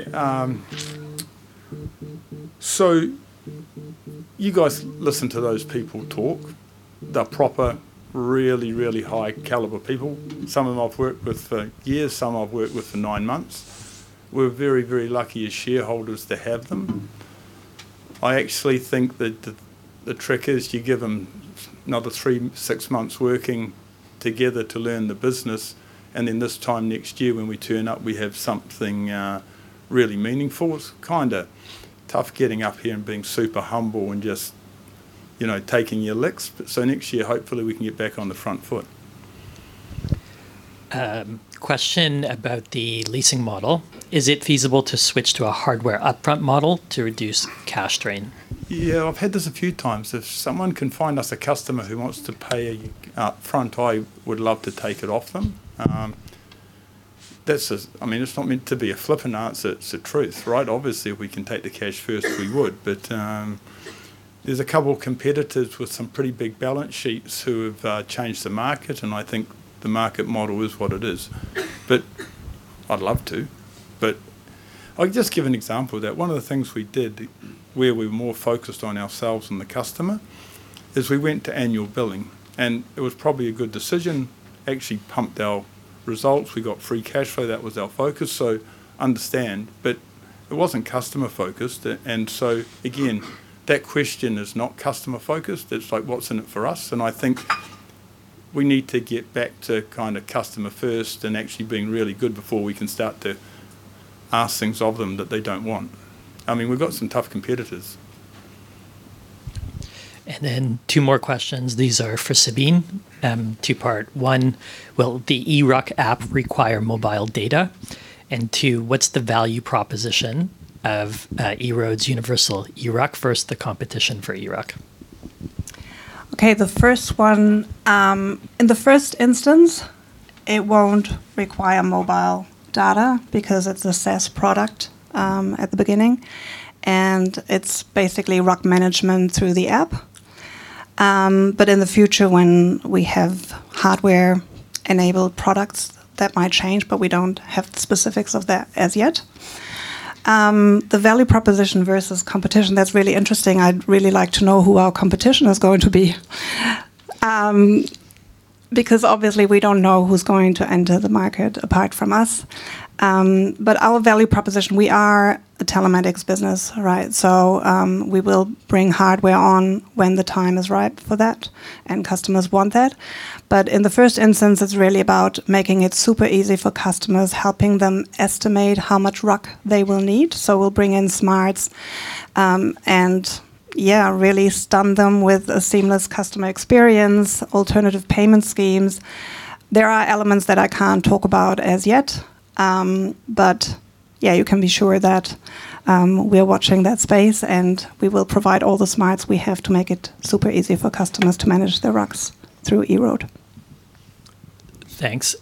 S1: You guys listen to those people talk. They're proper, really, really high caliber people. Some of them I've worked with for years, some I've worked with for nine months. We're very, very lucky as shareholders to have them. I actually think that the trick is you give them another three, six months working together to learn the business, and then this time next year when we turn up, we have something really meaningful. It's kind of tough getting up here and being super humble and just taking your licks. Next year, hopefully, we can get back on the front foot.
S8: Question about the leasing model. Is it feasible to switch to a hardware upfront model to reduce cash drain?
S1: Yeah, I've had this a few times. If someone can find us a customer who wants to pay upfront, I would love to take it off them. It's not meant to be a flippant answer, it's the truth, right? Obviously, if we can take the cash first, we would. There's a couple of competitors with some pretty big balance sheets who have changed the market, and I think the market model is what it is. I'd love to. I'll just give an example of that. One of the things we did where we're more focused on ourselves than the customer is we went to annual billing, and it was probably a good decision. Actually pumped our results. We got free cash flow. That was our focus. Understand, but it wasn't customer focused. Again, that question is not customer focused. It's like, what's in it for us? I think we need to get back to kind of customer first and actually being really good before we can start to ask things of them that they don't want. We've got some tough competitors.
S8: Two more questions. These are for Sabine. Two part. One, will the eRUC app require mobile data? Two, what's the value proposition of EROAD's universal eRUC versus the competition for eRUC?
S7: Okay, the first one. In the first instance, it won't require mobile data because it's a SaaS product at the beginning, and it's basically RUC management through the app. In the future when we have hardware-enabled products, that might change, but we don't have the specifics of that as yet. The value proposition versus competition, that's really interesting. I'd really like to know who our competition is going to be because obviously we don't know who's going to enter the market apart from us. Our value proposition, we are a telematics business, right? We will bring hardware on when the time is right for that and customers want that. In the first instance, it's really about making it super easy for customers, helping them estimate how much RUC they will need. We'll bring in smarts, and yeah, really stun them with a seamless customer experience, alternative payment schemes. There are elements that I can't talk about as yet. Yeah, you can be sure that we're watching that space, and we will provide all the smarts we have to make it super easy for customers to manage their RUCs through EROAD.
S8: Thanks.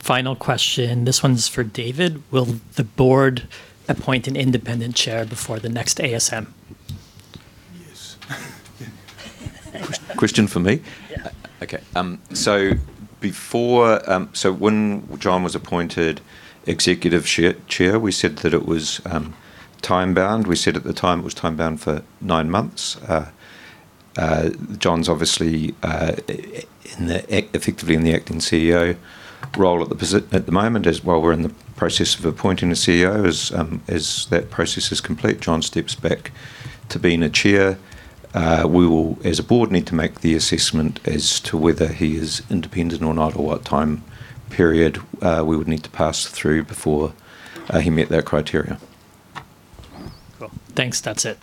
S8: Final question, this one's for David. Will the board appoint an independent chair before the next ASM?
S10: Yes. Question for me?
S8: Yeah.
S10: Okay. When John was appointed Executive Chair, we said that it was time-bound. We said at the time it was time-bound for nine months. John's obviously effectively in the acting CEO role at the moment as while we're in the process of appointing a CEO. As that process is complete, John steps back to being a chair. We will, as a board, need to make the assessment as to whether he is independent or not, or what time period we would need to pass through before he met that criteria.
S8: Cool. Thanks. That's it.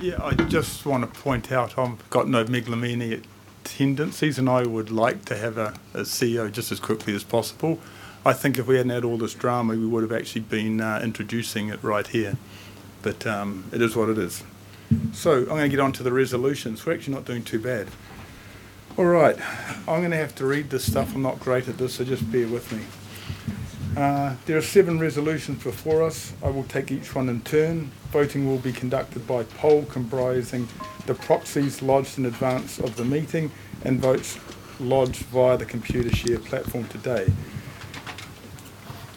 S1: Yeah, I just want to point out, I've got no megalomaniac tendencies, and I would like to have a CEO just as quickly as possible. I think if we hadn't had all this drama, we would've actually been introducing it right here. It is what it is. I'm going to get onto the resolutions. We're actually not doing too bad. All right. I'm going to have to read this stuff. I'm not great at this, so just bear with me. There are seven resolutions before us. I will take each one in turn. Voting will be conducted by poll comprising the proxies lodged in advance of the meeting and votes lodged via the Computershare platform today.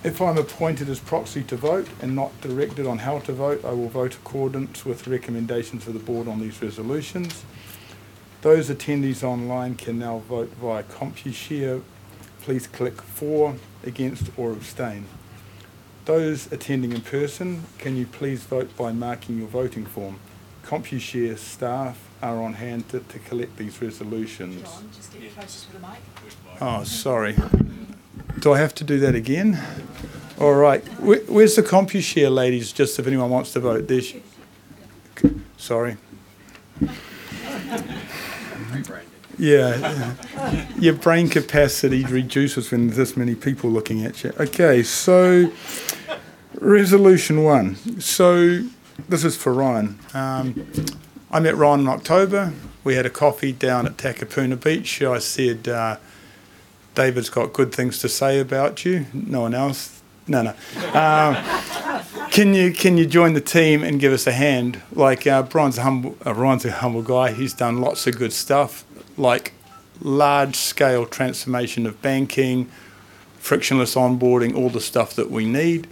S1: If I'm appointed as proxy to vote and not directed on how to vote, I will vote accordance with recommendations of the board on these resolutions. Those attendees online can now vote via Computershare. Please click for, against, or abstain. Those attending in person, can you please vote by marking your voting form. Computershare staff are on hand to collect these resolutions.
S11: John, just get closer to the mic.
S1: Oh, sorry. Do I have to do that again? All right. Where's the Computershare ladies, just if anyone wants to vote?
S11: Here.
S1: Sorry.
S8: Brain break.
S1: Yeah. Your brain capacity reduces when there's this many people looking at you. Okay, resolution one. This is for Ryan. I met Ryan in October. We had a coffee down at Takapuna Beach. I said, "David's got good things to say about you." No one else. No, no. "Can you join the team and give us a hand?" Ryan's a humble guy. He's done lots of good stuff, like large-scale transformation of banking, frictionless onboarding, all the stuff that we need.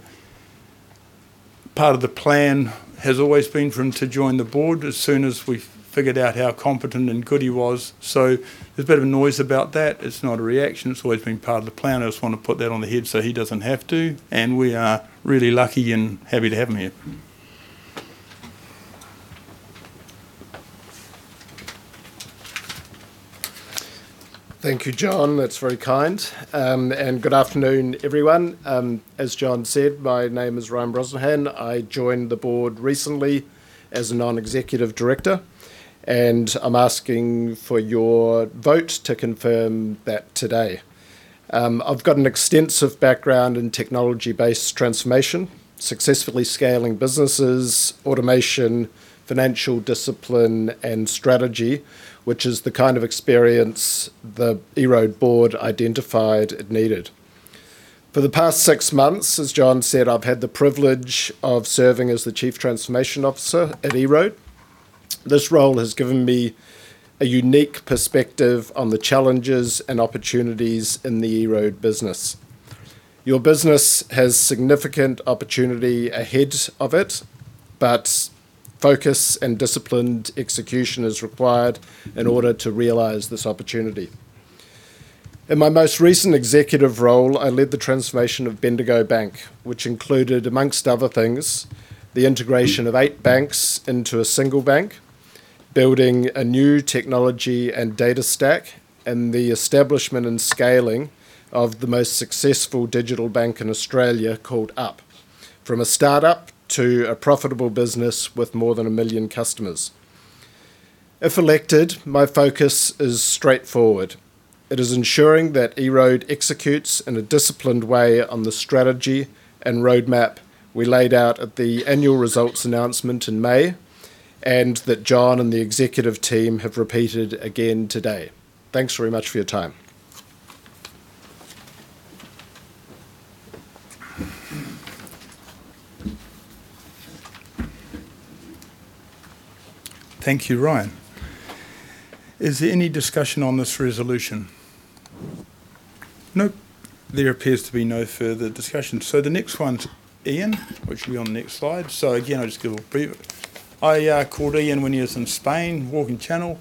S1: Part of the plan has always been for him to join the board as soon as we figured out how competent and good he was. There's a bit of a noise about that. It's not a reaction. It's always been part of the plan. I just want to put that on the head so he doesn't have to. We are really lucky and happy to have him here.
S9: Thank you, John. That's very kind. Good afternoon, everyone. As John said, my name is Ryan Brosnahan. I joined the Board recently as a Non-Executive Director. I'm asking for your vote to confirm that today. I've got an extensive background in technology-based transformation, successfully scaling businesses, automation, financial discipline, and strategy, which is the kind of experience the EROAD Board identified it needed. For the past 6 months, as John said, I've had the privilege of serving as the Chief Transformation Officer at EROAD. This role has given me a unique perspective on the challenges and opportunities in the EROAD business. Your business has significant opportunity ahead of it. Focus and disciplined execution is required in order to realize this opportunity. In my most recent executive role, I led the transformation of Bendigo Bank, which included, amongst other things, the integration of 8 banks into a single bank, building a new technology and data stack, and the establishment and scaling of the most successful digital bank in Australia called Up. From a startup to a profitable business with more than 1 million customers. If elected, my focus is straightforward. It is ensuring that EROAD executes in a disciplined way on the strategy and roadmap we laid out at the annual results announcement in May. John and the Executive Team have repeated again today. Thanks very much for your time.
S1: Thank you, Ryan. Is there any discussion on this resolution? Nope. There appears to be no further discussion. The next one's Ian, which will be on the next slide. Again, I'll just give a brief. I called Ian when he was in Spain, walking Camino.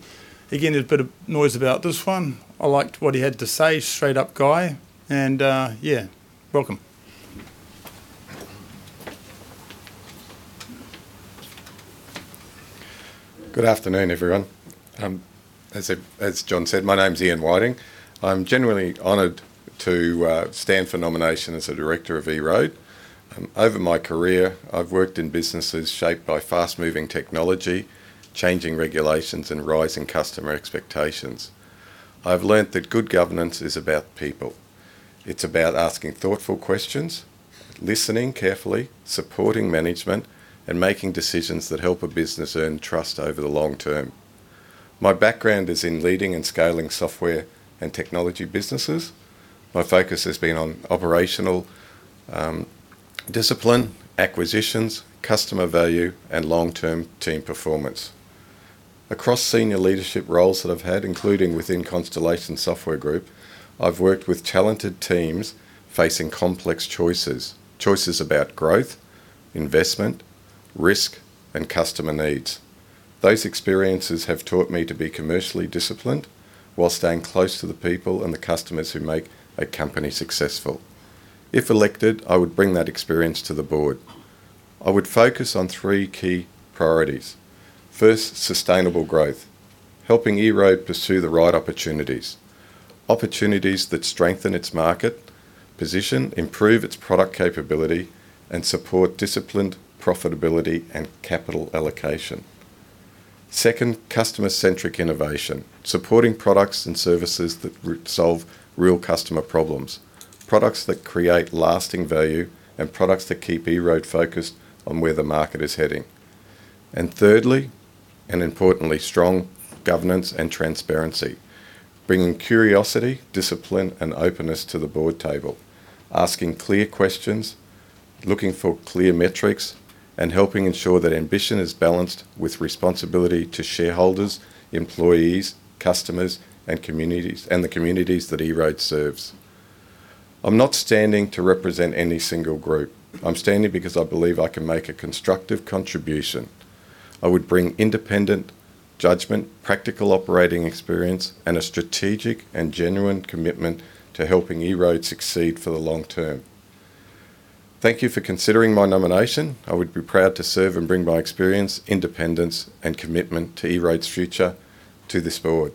S1: Again, there's a bit of noise about this one. I liked what he had to say. Straight up guy. Yeah, welcome.
S12: Good afternoon, everyone. As John said, my name's Ian Whiting. I'm genuinely honored to stand for nomination as a director of EROAD. Over my career, I've worked in businesses shaped by fast-moving technology, changing regulations, and rising customer expectations. I've learnt that good governance is about people. It's about asking thoughtful questions, listening carefully, supporting management, and making decisions that help a business earn trust over the long term. My background is in leading and scaling software and technology businesses. My focus has been on operational discipline, acquisitions, customer value, and long-term team performance. Across senior leadership roles that I've had, including within Constellation Software Group, I've worked with talented teams facing complex choices. Choices about growth, investment, risk, and customer needs. Those experiences have taught me to be commercially disciplined while staying close to the people and the customers who make a company successful. If elected, I would bring that experience to the board. I would focus on three key priorities. First, sustainable growth, helping EROAD pursue the right opportunities that strengthen its market position, improve its product capability, and support disciplined profitability and capital allocation. Second, customer-centric innovation, supporting products and services that solve real customer problems, products that create lasting value, and products that keep EROAD focused on where the market is heading. Thirdly, and importantly, strong governance and transparency, bringing curiosity, discipline, and openness to the board table, asking clear questions, looking for clear metrics, and helping ensure that ambition is balanced with responsibility to shareholders, employees, customers, and the communities that EROAD serves. I'm not standing to represent any single group. I'm standing because I believe I can make a constructive contribution. I would bring independent judgment, practical operating experience, and a strategic and genuine commitment to helping EROAD succeed for the long term. Thank you for considering my nomination. I would be proud to serve and bring my experience, independence, and commitment to EROAD's future to this board.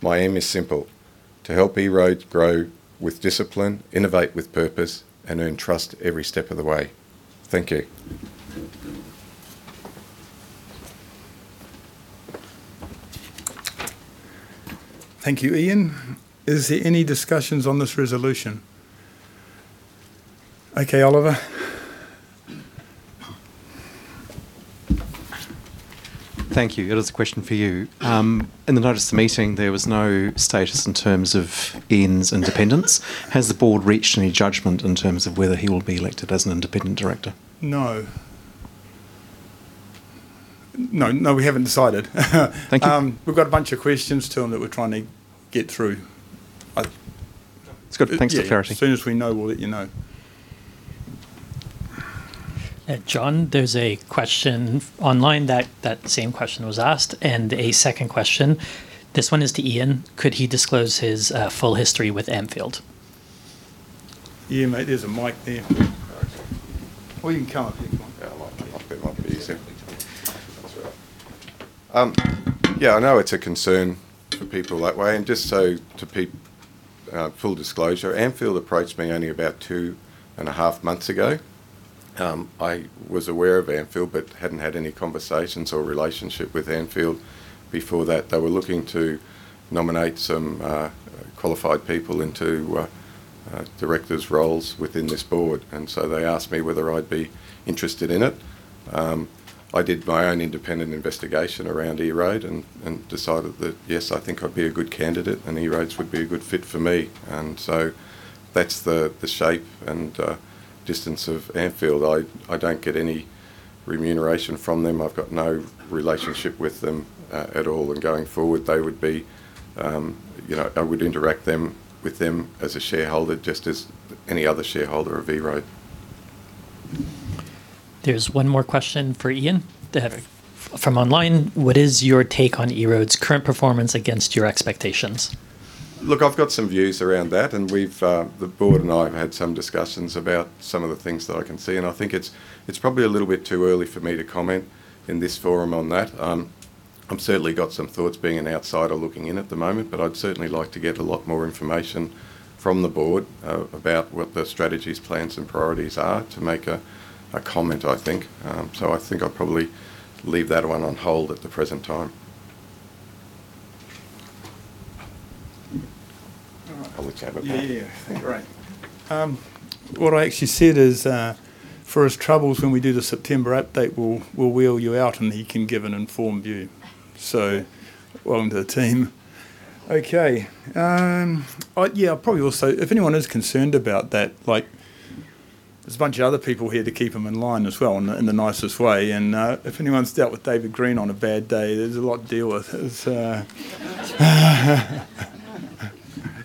S12: My aim is simple, to help EROAD grow with discipline, innovate with purpose, and earn trust every step of the way. Thank you.
S1: Thank you, Ian. Is there any discussions on this resolution? Okay, Oliver.
S13: Thank you. It is a question for you. In the notice of the meeting, there was no status in terms of Ian's independence. Has the board reached any judgment in terms of whether he will be elected as an an independent director?
S1: No. No, we haven't decided.
S13: Thank you.
S1: We've got a bunch of questions to him that we're trying to get through.
S13: It's good. Thanks for the clarity.
S1: Yeah, as soon as we know, we'll let you know.
S8: John, there's a question online, that same question was asked, and a second question. This one is to Ian. Could he disclose his full history with Ampfield?
S1: Yeah, mate, there's a mic there. You can come up here if you want.
S12: Yeah, I'll come up. It might be easier. That's all right. Yeah, I know it's a concern for people that way. To full disclosure, Ampfield approached me only about two and a half months ago. I was aware of Ampfield but hadn't had any conversations or relationship with Ampfield before that. They were looking to nominate some qualified people into directors roles within this board. They asked me whether I'd be interested in it. I did my own independent investigation around EROAD and decided that, yes, I think I'd be a good candidate, and EROAD would be a good fit for me. That's the shape and distance of Ampfield. I don't get any remuneration from them. I've got no relationship with them at all. Going forward, I would interact with them as a shareholder just as any other shareholder of EROAD.
S8: There's one more question for Ian from online. What is your take on EROAD's current performance against your expectations?
S12: Look, I've got some views around that. The board and I have had some discussions about some of the things that I can see. I think it's probably a little bit too early for me to comment in this forum on that. I've certainly got some thoughts being an outsider looking in at the moment. I'd certainly like to get a lot more information from the board about what the strategies, plans, and priorities are to make a comment, I think. I think I'll probably leave that one on hold at the present time.
S1: All right.
S12: I'll let you have a crack.
S1: Great. What I actually said is, for his troubles when we do the September update, we'll wheel you out, and he can give an informed view. Welcome to the team. I probably will say, if anyone is concerned about that, there's a bunch of other people here to keep him in line as well, in the nicest way, and, if anyone's dealt with David Green on a bad day, there's a lot to deal with.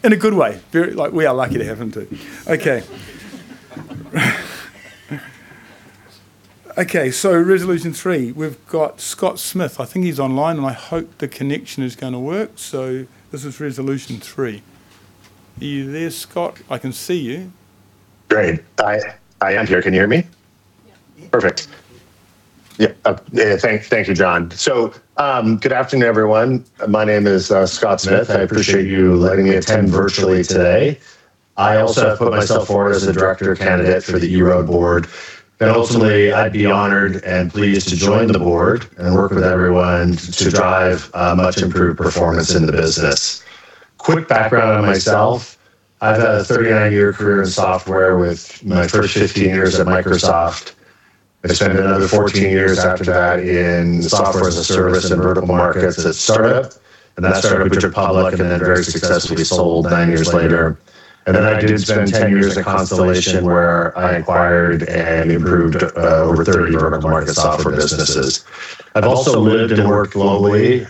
S1: In a good way. We are lucky to have him, too. Resolution 3. We've got Scott Smith. I think he's online, and I hope the connection is going to work. This is Resolution 3. Are you there, Scott? I can see you.
S14: Great. I am here. Can you hear me?
S11: Yeah.
S14: Perfect. Thank you, John. Good afternoon, everyone. My name is Scott Smith. I appreciate you letting me attend virtually today. I also have put myself forward as a director candidate for the EROAD board, and ultimately, I'd be honored and pleased to join the board and work with everyone to drive a much improved performance in the business. Quick background on myself. I've had a 39-year career in software with my first 15 years at Microsoft. I spent another 14 years after that in software as a service in vertical markets at startup, and that startup went public and then very successfully sold nine years later. I did spend 10 years at Constellation, where I acquired and improved over 30 vertical market software businesses. I've also lived and worked globally,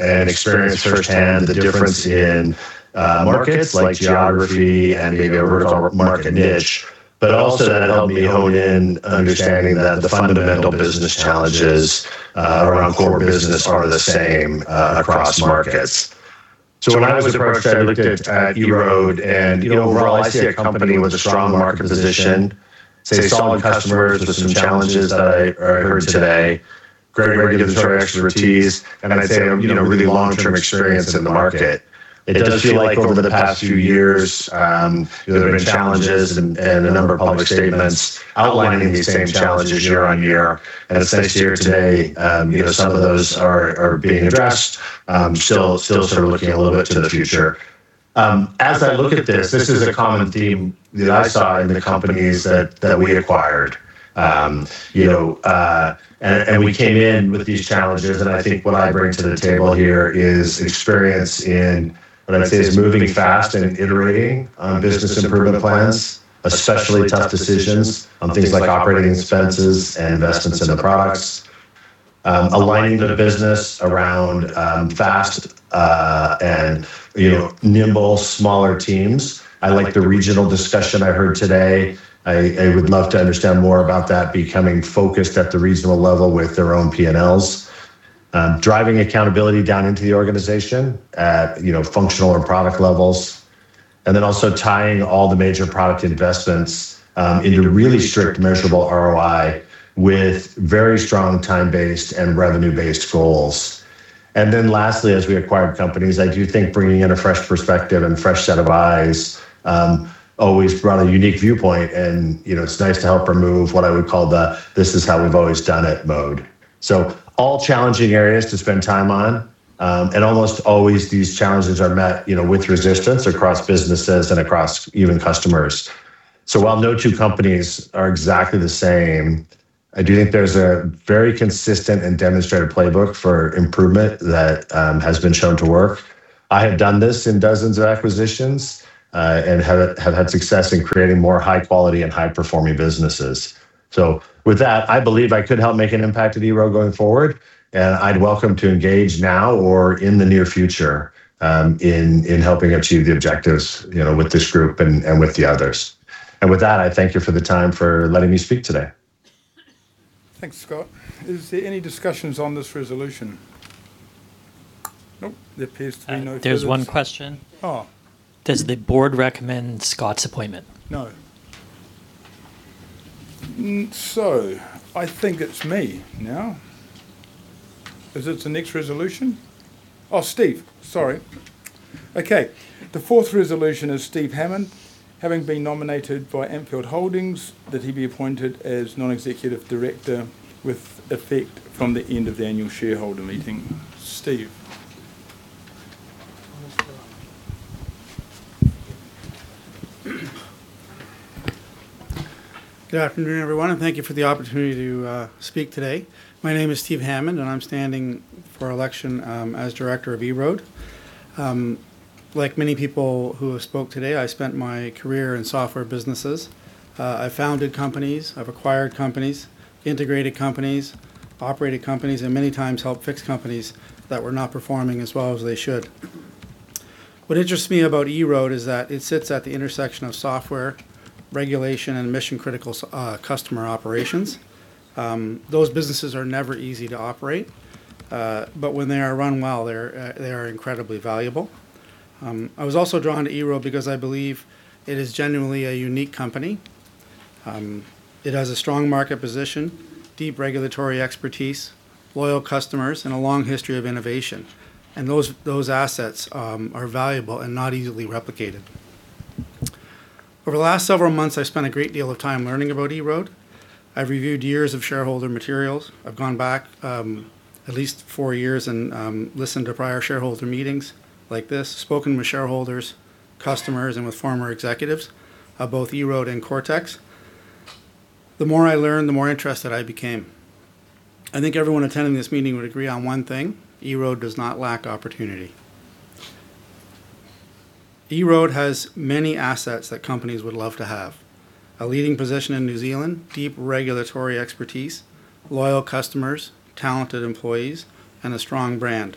S14: and experienced firsthand the difference in markets, like geography and maybe a vertical market niche. Also that helped me hone in understanding that the fundamental business challenges around core business are the same across markets. When I was at the approach that I looked at EROAD, and overall I see a company with a strong market position, see solid customers with some challenges that I heard today. Great regulatory expertise, and I'd say, really long-term experience in the market. It does feel like over the past few years, there have been challenges and a number of public statements outlining these same challenges year-on-year. It's nice to hear today some of those are being addressed. Still sort of looking a little bit to the future. As I look at this is a common theme that I saw in the companies that we acquired. We came in with these challenges, and I think what I bring to the table here is experience in, what I'd say, is moving fast and iterating on business improvement plans. Especially tough decisions on things like operating expenses and investments into products. Aligning the business around fast and nimble smaller teams. I like the regional discussion I heard today. I would love to understand more about that becoming focused at the regional level with their own P&Ls. Driving accountability down into the organization at functional and product levels. Also tying all the major product investments into really strict measurable ROI with very strong time-based and revenue-based goals. Lastly, as we acquired companies, I do think bringing in a fresh perspective and fresh set of eyes always brought a unique viewpoint and it's nice to help remove what I would call the this is how we've always done it mode. All challenging areas to spend time on. Almost always these challenges are met with resistance across businesses and across even customers. While no two companies are exactly the same, I do think there's a very consistent and demonstrated playbook for improvement that has been shown to work. I have done this in dozens of acquisitions, and have had success in creating more high-quality and high-performing businesses. With that, I believe I could help make an impact at EROAD going forward, and I'd welcome to engage now or in the near future, in helping achieve the objectives with this group and with the others. With that, I thank you for the time for letting me speak today.
S1: Thanks, Scott. Is there any discussions on this resolution? Nope. There appears to be no
S8: There's one question.
S1: Oh.
S8: Does the board recommend Scott's appointment?
S1: No. I think it's me now. Is it the next resolution? Oh, Steve. Sorry. Okay. The fourth resolution is Steve Hammond, having been nominated by Ampfield Holdings that he be appointed as non-executive director with effect from the end of the annual shareholder meeting. Steve.
S15: Good afternoon, everyone, and thank you for the opportunity to speak today. My name is Steve Hammond. I'm standing for election as director of EROAD. Like many people who have spoken today, I spent my career in software businesses. I founded companies, I've acquired companies, integrated companies, operated companies, and many times helped fix companies that were not performing as well as they should. What interests me about EROAD is that it sits at the intersection of software regulation and mission-critical customer operations. Those businesses are never easy to operate. When they are run well, they are incredibly valuable. I was also drawn to EROAD because I believe it is genuinely a unique company. It has a strong market position, deep regulatory expertise, loyal customers, and a long history of innovation. Those assets are valuable and not easily replicated. Over the last several months, I've spent a great deal of time learning about EROAD. I've reviewed years of shareholder materials. I've gone back at least four years and listened to prior shareholder meetings like this, spoken with shareholders, customers, and with former executives of both EROAD and Coretex. The more I learned, the more interested I became. I think everyone attending this meeting would agree on one thing. EROAD does not lack opportunity. EROAD has many assets that companies would love to have. A leading position in New Zealand, deep regulatory expertise, loyal customers, talented employees, and a strong brand.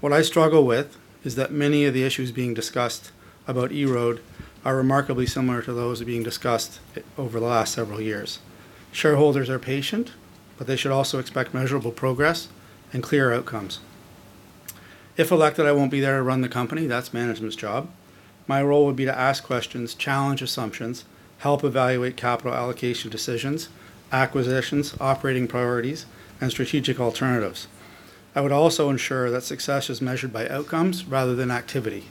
S15: What I struggle with is that many of the issues being discussed about EROAD are remarkably similar to those being discussed over the last several years. Shareholders are patient. They should also expect measurable progress and clear outcomes. If elected, I won't be there to run the company, that's management's job. My role would be to ask questions, challenge assumptions, help evaluate capital allocation decisions, acquisitions, operating priorities, and strategic alternatives. I would also ensure that success is measured by outcomes rather than activity.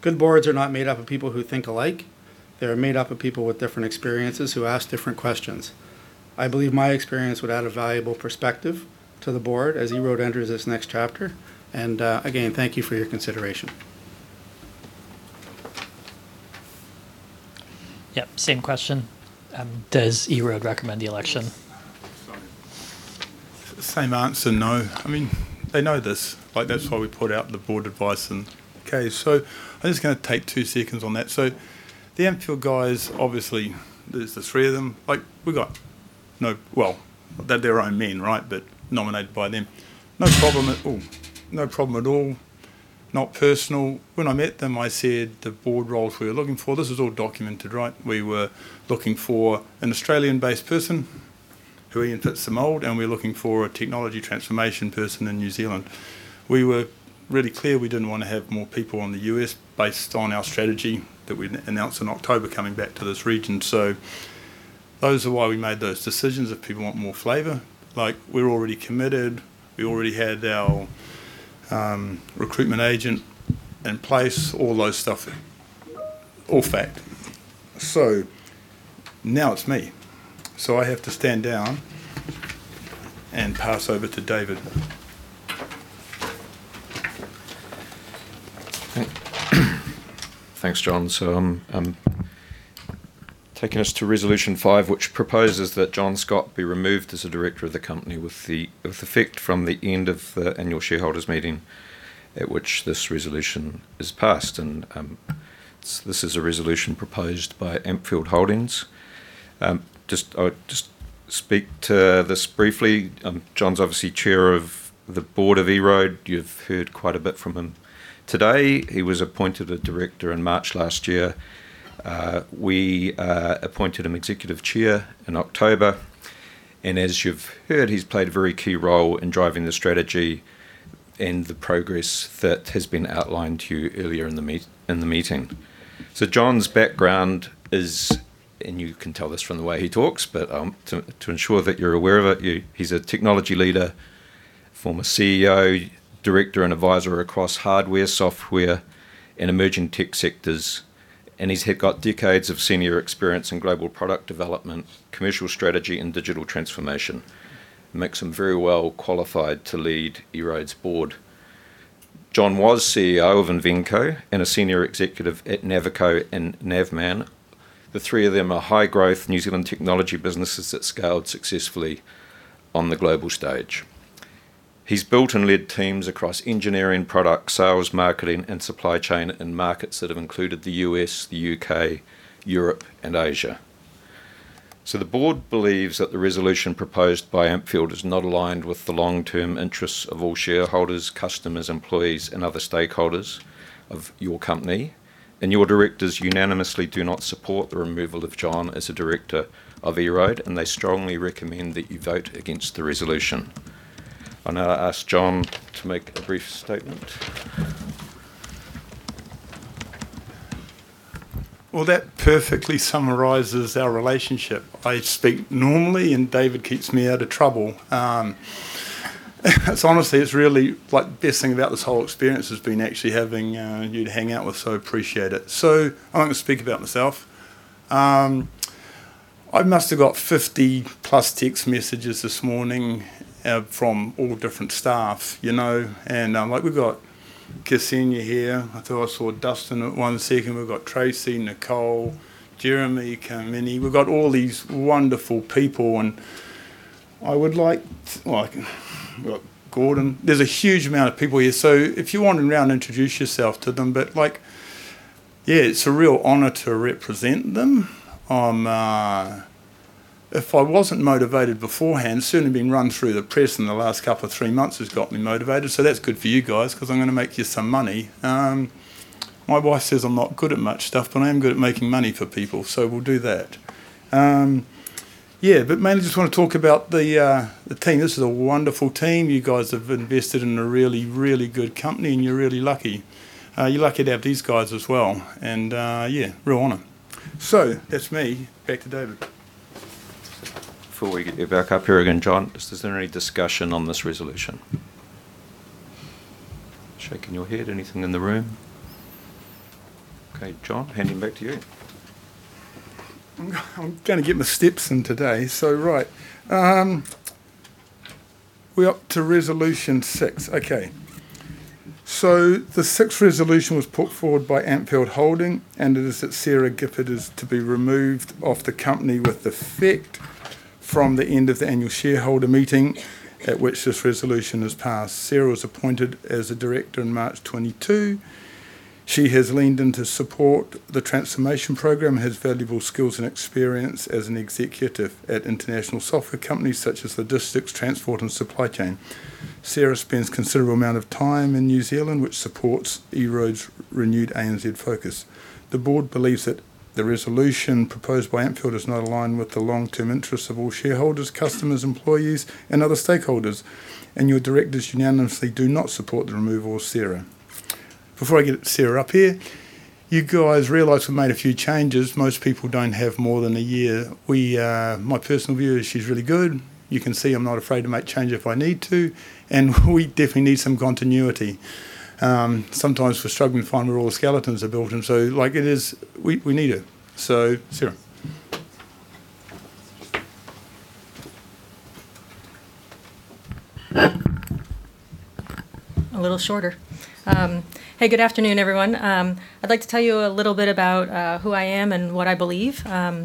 S15: Good boards are not made up of people who think alike. They are made up of people with different experiences who ask different questions. I believe my experience would add a valuable perspective to the board as EROAD enters this next chapter. Again, thank you for your consideration.
S8: Yep. Same question. Does EROAD recommend the election?
S1: Same answer. No. They know this. That's why we put out the board advice and Okay. I'm just going to take 2 seconds on that. The Ampfield guys, obviously there's the 3 of them. Well, they're their own men, right? Nominated by them. No problem at all. Not personal. When I met them, I said the board role we were looking for, this is all documented, right? We were looking for an Australian-based person Who he fits the mold, and we're looking for a technology transformation person in New Zealand. We were really clear we didn't want to have more people in the U.S. based on our strategy that we announced in October, coming back to this region. Those are why we made those decisions, if people want more flavor. We're already committed. We already had our recruitment agent in place, all those stuff, all fact. Now it's me. I have to stand down and pass over to David.
S10: Thanks, John. I'm taking us to Resolution 5, which proposes that John Scott be removed as a director of the company with effect from the end of the annual shareholders' meeting at which this resolution is passed. This is a resolution proposed by Ampfield Holdings. I'll just speak to this briefly. John's obviously Chair of the board of EROAD. You've heard quite a bit from him today. He was appointed a director in March last year. We appointed him Executive Chair in October. As you've heard, he's played a very key role in driving the strategy and the progress that has been outlined to you earlier in the meeting. John's background is, and you can tell this from the way he talks, but to ensure that you're aware of it, he's a technology leader, former CEO, director, and advisor across hardware, software, and emerging tech sectors. He's got decades of senior experience in global product development, commercial strategy, and digital transformation. It makes him very well qualified to lead EROAD's board. John was CEO of Invenco and a senior executive at Navico and Navman. The 3 of them are high-growth New Zealand technology businesses that scaled successfully on the global stage. He's built and led teams across engineering, product sales, marketing, and supply chain in markets that have included the U.S., the U.K., Europe, and Asia. The board believes that the resolution proposed by Ampfield is not aligned with the long-term interests of all shareholders, customers, employees, and other stakeholders of your company. Your directors unanimously do not support the removal of John as a director of EROAD, and they strongly recommend that you vote against the resolution. I now ask John to make a brief statement.
S1: That perfectly summarizes our relationship. I speak normally, David keeps me out of trouble. Honestly, it's really the best thing about this whole experience has been actually having you to hang out with, appreciate it. I'm not going to speak about myself. I must've got 50-plus text messages this morning from all different staff. We've got Ksenija here. I thought I saw Dustin at one second. We've got Tracey, Nicole, Jeremy, Kamini. We've got all these wonderful people. We've got Gordon. There's a huge amount of people here. If you wander around, introduce yourself to them. Yeah, it's a real honor to represent them. If I wasn't motivated beforehand, certainly been run through the press in the last couple of three months has got me motivated. That's good for you guys because I'm going to make you some money. My wife says I'm not good at much stuff, I am good at making money for people, we'll do that. Mainly just want to talk about the team. This is a wonderful team. You guys have invested in a really, really good company, you're really lucky. You're lucky to have these guys as well, real honor. That's me. Back to David.
S10: Before we get you back up here again, John, is there any discussion on this resolution? Shaking your head. Anything in the room? John, handing back to you.
S1: I'm going to get my steps in today. Right. We're up to Resolution 6. The 6th resolution was put forward by Ampfield Holdings, it is that Sara Gifford is to be removed off the company with effect from the end of the annual shareholder meeting at which this resolution is passed. Sara was appointed as a director in March 2022. She has leaned in to support the transformation program, has valuable skills and experience as an executive at international software companies such as logistics, transport, and supply chain. Sara spends a considerable amount of time in New Zealand, which supports EROAD's renewed ANZ focus. The board believes that the resolution proposed by Ampfield Holdings is not aligned with the long-term interests of all shareholders, customers, employees, and other stakeholders, your directors unanimously do not support the removal of Sara. Before I get Sara up here, you guys realize we've made a few changes. Most people don't have more than a year. My personal view is she's really good. You can see I'm not afraid to make change if I need to, and we definitely need some continuity. Sometimes we're struggling to find where all the skeletons are built in. We need it. Sara.
S16: A little shorter. Hey, good afternoon, everyone. I'd like to tell you a little bit about who I am and what I believe. I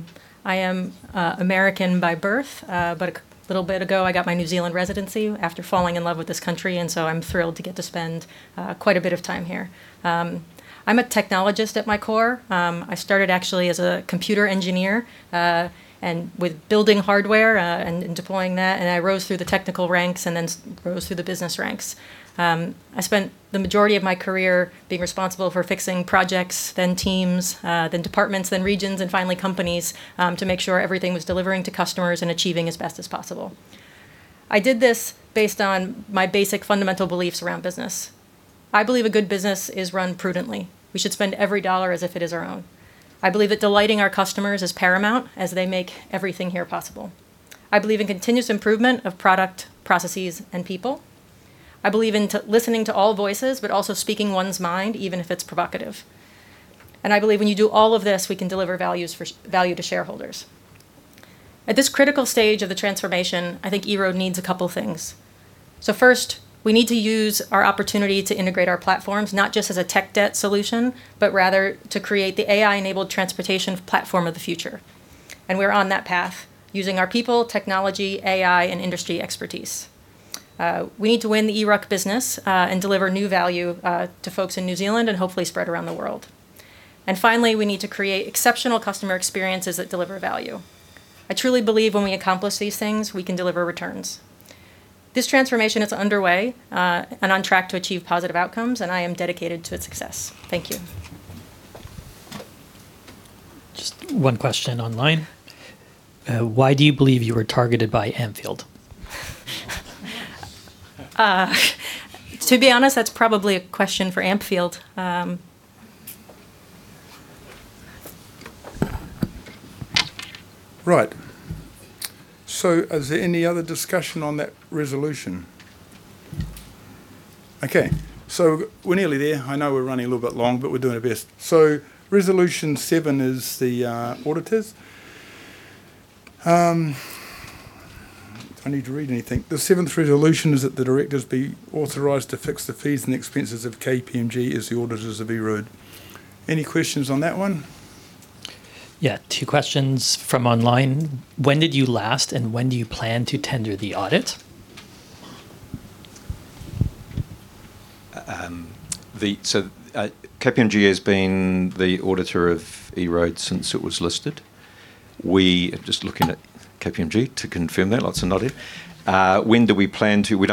S16: am American by birth. A little bit ago, I got my New Zealand residency after falling in love with this country, I'm thrilled to get to spend quite a bit of time here. I'm a technologist at my core. I started actually as a computer engineer, with building hardware and deploying that, I rose through the technical ranks and then rose through the business ranks. I spent the majority of my career being responsible for fixing projects, then teams, then departments, then regions, and finally companies to make sure everything was delivering to customers and achieving as best as possible. I did this based on my basic fundamental beliefs around business. I believe a good business is run prudently. We should spend every dollar as if it is our own. I believe that delighting our customers is paramount, as they make everything here possible. I believe in continuous improvement of product, processes, and people. I believe in listening to all voices, but also speaking one's mind, even if it's provocative. I believe when you do all of this, we can deliver value to shareholders. At this critical stage of the transformation, I think EROAD needs a couple things. First, we need to use our opportunity to integrate our platforms, not just as a tech debt solution, but rather to create the AI-enabled transportation platform of the future. We're on that path using our people, technology, AI, and industry expertise. We need to win the eRUC business and deliver new value to folks in New Zealand, and hopefully spread around the world. Finally, we need to create exceptional customer experiences that deliver value. I truly believe when we accomplish these things, we can deliver returns. This transformation is underway and on track to achieve positive outcomes, and I am dedicated to its success. Thank you.
S8: Just one question online. Why do you believe you were targeted by Ampfield?
S16: To be honest, that's probably a question for Ampfield.
S1: Right. Is there any other discussion on that resolution? Okay, we're nearly there. I know we're running a little bit long, but we're doing our best. Resolution seven is the auditors. I need to read anything. The seventh resolution is that the directors be authorized to fix the fees and expenses of KPMG as the auditors of EROAD. Any questions on that one?
S8: Yeah, two questions from online. When did you last, and when do you plan to tender the audit?
S10: KPMG has been the auditor of EROAD since it was listed. We are just looking at KPMG to confirm that. Lots are nodding. When do we plan to? We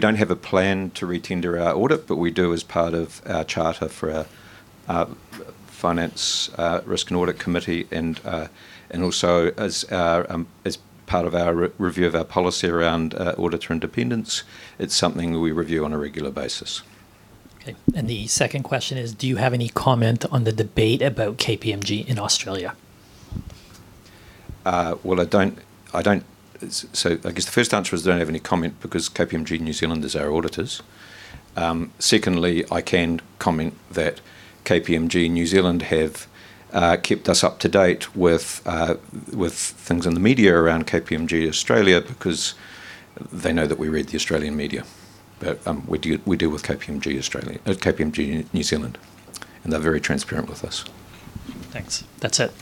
S10: don't have a plan to retender our audit, but we do as part of our charter for our Finance, Risk and Audit Committee, and also as part of our review of our policy around auditor independence. It's something we review on a regular basis.
S8: The second question is: do you have any comment on the debate about KPMG in Australia?
S10: I guess the first answer is I don't have any comment because KPMG New Zealand is our auditors. Secondly, I can comment that KPMG New Zealand have kept us up to date with things in the media around KPMG Australia because they know that we read the Australian media. We deal with KPMG New Zealand, and they're very transparent with us.
S8: Thanks. That's it.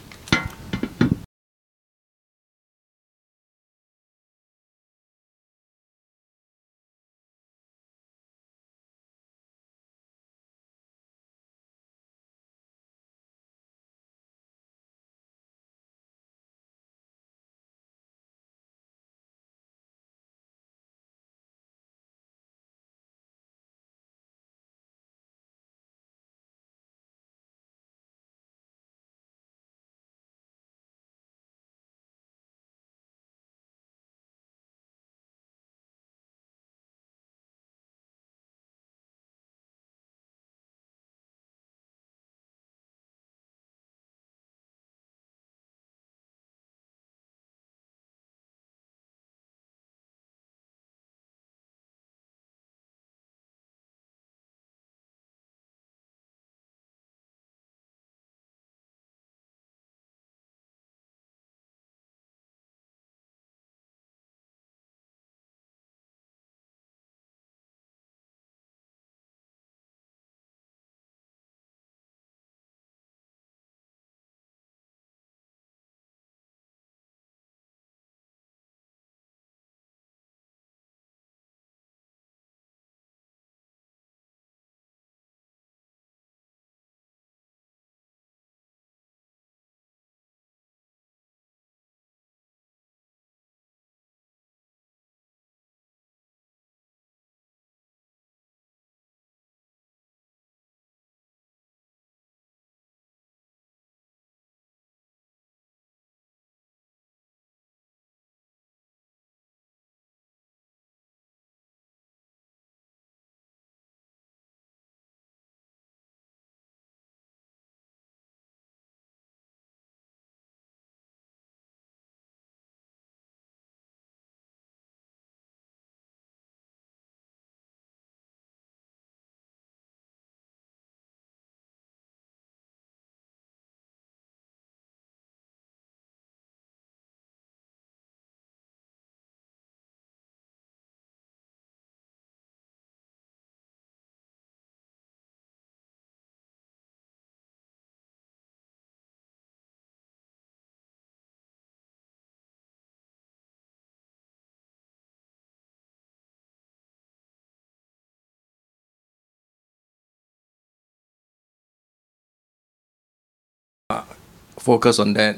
S2: Focus on that.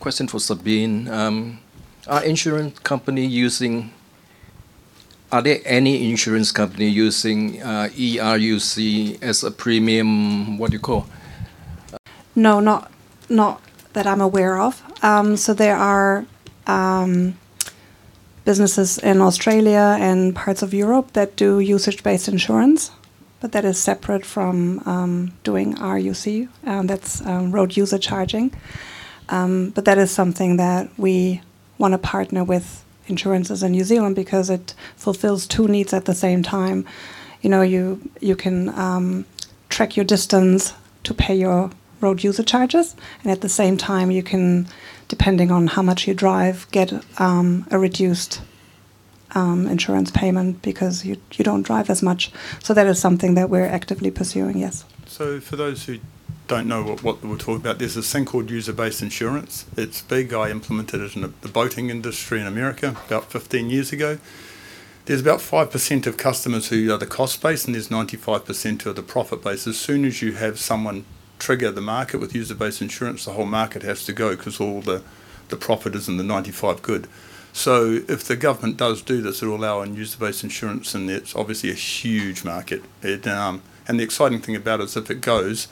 S2: Question for Sabine. Are insurance company using.
S17: Are there any insurance company using eRUC as a premium, what you call?
S7: No, not that I'm aware of. There are businesses in Australia and parts of Europe that do usage-based insurance, but that is separate from doing RUC, that's road user charging. That is something that we want to partner with insurances in New Zealand because it fulfills two needs at the same time. You can track your distance to pay your road user charges, and at the same time you can, depending on how much you drive, get a reduced insurance payment because you don't drive as much. That is something that we're actively pursuing, yes.
S1: For those who don't know what we're talking about, there's this thing called user-based insurance. Its big guy implemented it in the boating industry in America about 15 years ago. There's about 5% of customers who are the cost base, and there's 95% who are the profit base. As soon as you have someone trigger the market with user-based insurance, the whole market has to go because all the profit is in the 95 good. If the government does do this, it'll allow user-based insurance, and it's obviously a huge market. The exciting thing about it is if it goes,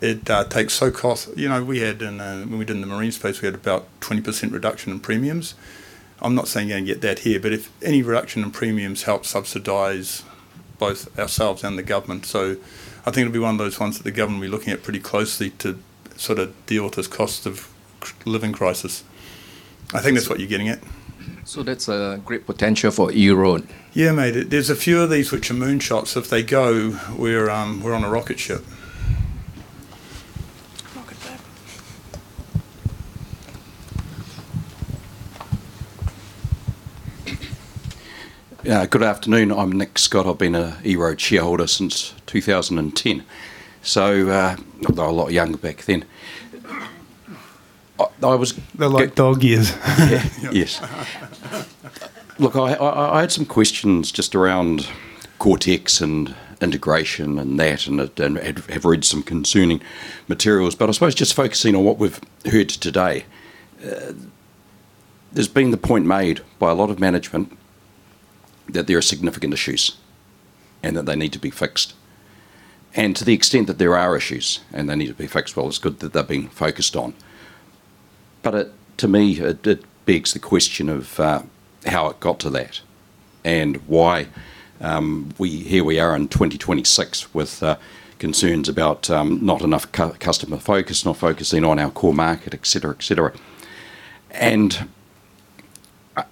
S1: it takes so cost. When we did it in the marine space, we had about 20% reduction in premiums. I'm not saying you're going to get that here, but if any reduction in premiums help subsidize both ourselves and the government. I think it'll be one of those ones that the government will be looking at pretty closely to sort of deal with this cost of living crisis. I think that's what you're getting at.
S17: That's a great potential for EROAD.
S1: Yeah, mate. There's a few of these which are moonshots. If they go, we're on a rocket ship.
S7: Look at that.
S17: Yeah. Good afternoon. I'm Nick Scott. I've been an EROAD shareholder since 2010. Although a lot younger back then.
S1: They're like dog years.
S17: Yeah. Yes. Look, I had some questions just around Coretex and integration and that, and have read some concerning materials. I suppose just focusing on what we've heard today. There's been the point made by a lot of management that there are significant issues and that they need to be fixed. To the extent that there are issues and they need to be fixed, well, it's good that they're being focused on. To me, it begs the question of how it got to that and why here we are in 2026 with concerns about not enough customer focus, not focusing on our core market, et cetera.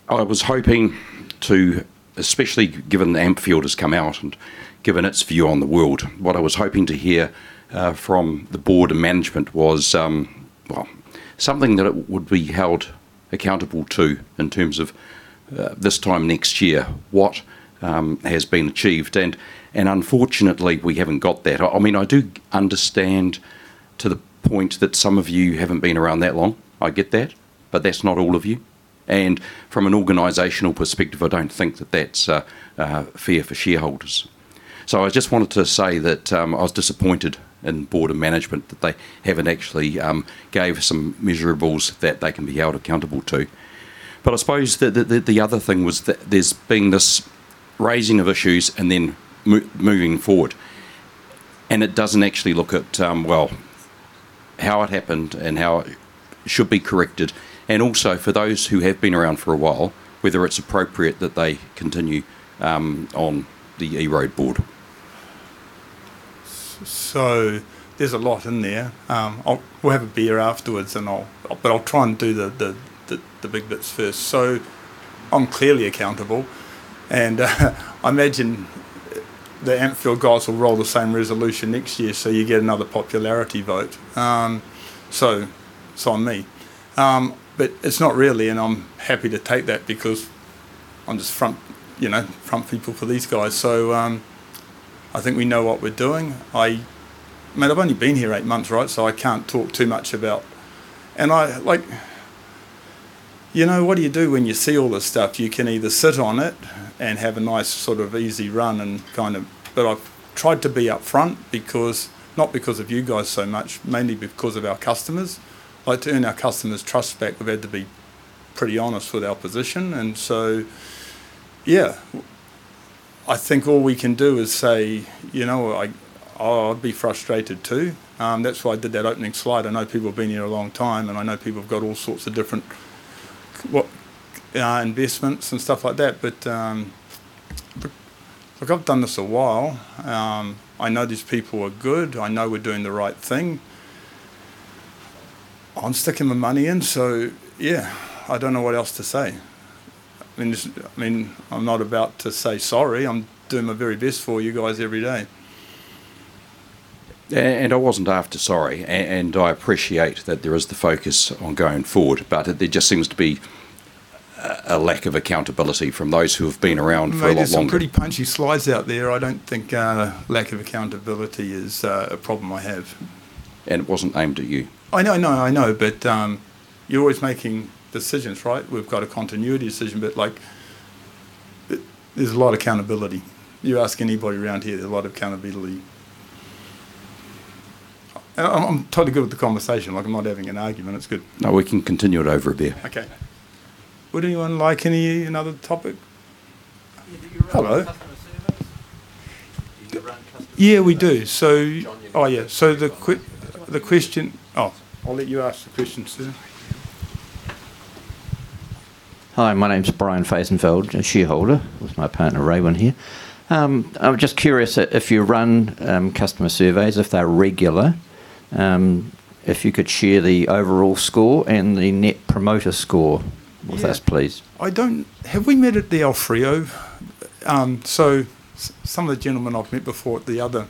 S17: I was hoping to, especially given Ampfield has come out and given its view on the world, what I was hoping to hear from the board and management was, well, something that it would be held accountable to in terms of this time next year. What has been achieved? Unfortunately, we haven't got that. I do understand to the point that some of you haven't been around that long. I get that, but that's not all of you. From an organizational perspective, I don't think that that's fair for shareholders. I just wanted to say that I was disappointed in board and management that they haven't actually gave some measureables that they can be held accountable to. I suppose the other thing was that there's been this raising of issues and then moving forward, it doesn't actually look at, well, how it happened and how it should be corrected, and also for those who have been around for a while, whether it's appropriate that they continue on the EROAD Board.
S1: There's a lot in there. We'll have a beer afterwards and I'll try and do the big bits first. I'm clearly accountable, and I imagine the Ampfield will roll the same resolution next year, you get another popularity vote. It's on me. It's not really, and I'm happy to take that because I'm just front people for these guys. I think we know what we're doing. I've only been here eight months, right? I can't talk too much about What do you do when you see all this stuff? You can either sit on it and have a nice sort of easy run and kind of I've tried to be upfront because, not because of you guys so much, mainly because of our customers. To earn our customers' trust back, we've had to be pretty honest with our position. Yeah. I think all we can do is say, I'd be frustrated, too. That's why I did that opening slide. I know people have been here a long time, and I know people have got all sorts of different investments and stuff like that. Look, I've done this a while. I know these people are good. I know we're doing the right thing. I'm sticking my money in, yeah, I don't know what else to say. I'm not about to say sorry. I'm doing my very best for you guys every day.
S17: I wasn't after sorry, and I appreciate that there is the focus on going forward. There just seems to be a lack of accountability from those who have been around for a lot longer.
S1: Mate, there's some pretty punchy slides out there. I don't think lack of accountability is a problem I have.
S17: It wasn't aimed at you.
S1: I know. You're always making decisions, right? We've got a continuity decision, but there's a lot of accountability. You ask anybody around here, there's a lot of accountability. I'm totally good with the conversation. I'm not having an argument. It's good.
S17: No, we can continue it over a beer.
S1: Okay. Would anyone like any other topic?
S18: Yeah, do you run customer surveys?
S17: Hello. Do you run customer surveys? Yeah, we do. John.
S1: Oh, yeah. The question, I'll let you ask the question, sir.
S18: Hi, my name's Brian Faisonfeld, a shareholder, with my partner Raywin here. I'm just curious if you run customer surveys, if they're regular, if you could share the overall score and the Net Promoter Score with us, please.
S1: Yeah. Have we met at the AoFrio? Some of the gentlemen I've met before at the other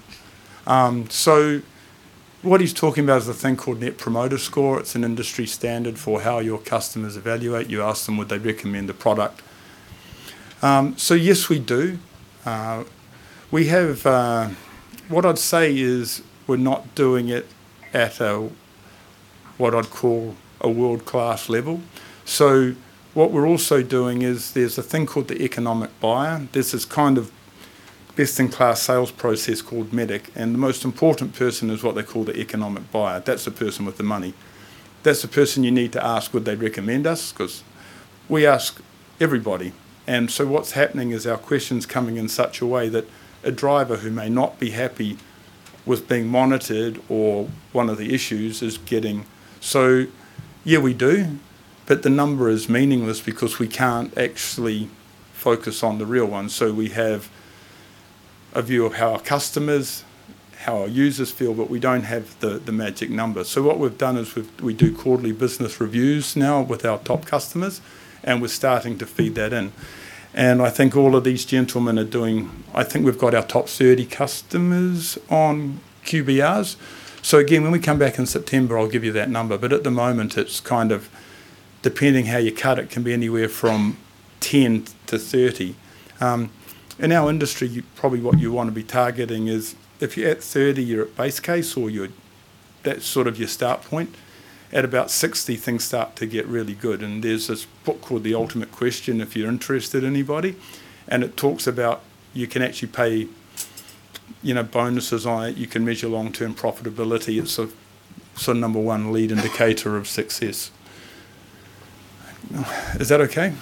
S1: What he's talking about is a thing called Net Promoter Score. It's an industry standard for how your customers evaluate. You ask them would they recommend the product. Yes, we do. What I'd say is we're not doing it at what I'd call a world-class level. What we're also doing is there's a thing called the economic buyer. There's this kind of best-in-class sales process called MEDDIC, and the most important person is what they call the economic buyer. That's the person with the money. That's the person you need to ask, would they recommend us? We ask everybody. What's happening is our question's coming in such a way that a driver who may not be happy with being monitored or one of the issues. Yeah, we do, but the number is meaningless because we can't actually focus on the real one. We have a view of how our customers, how our users feel, but we don't have the magic number. What we've done is we do quarterly business reviews now with our top customers, and we're starting to feed that in. I think all of these gentlemen are doing we've got our top 30 customers on QBRs. Again, when we come back in September, I'll give you that number, but at the moment it's kind of depending how you cut it, can be anywhere from 10 to 30. In our industry, probably what you want to be targeting is if you're at 30, you're at base case, or that's sort of your start point. At about 60, things start to get really good. There's this book called "The Ultimate Question," if you're interested, anybody, and it talks about you can actually pay bonuses on it. You can measure long-term profitability. It's a number one lead indicator of success. Is that okay?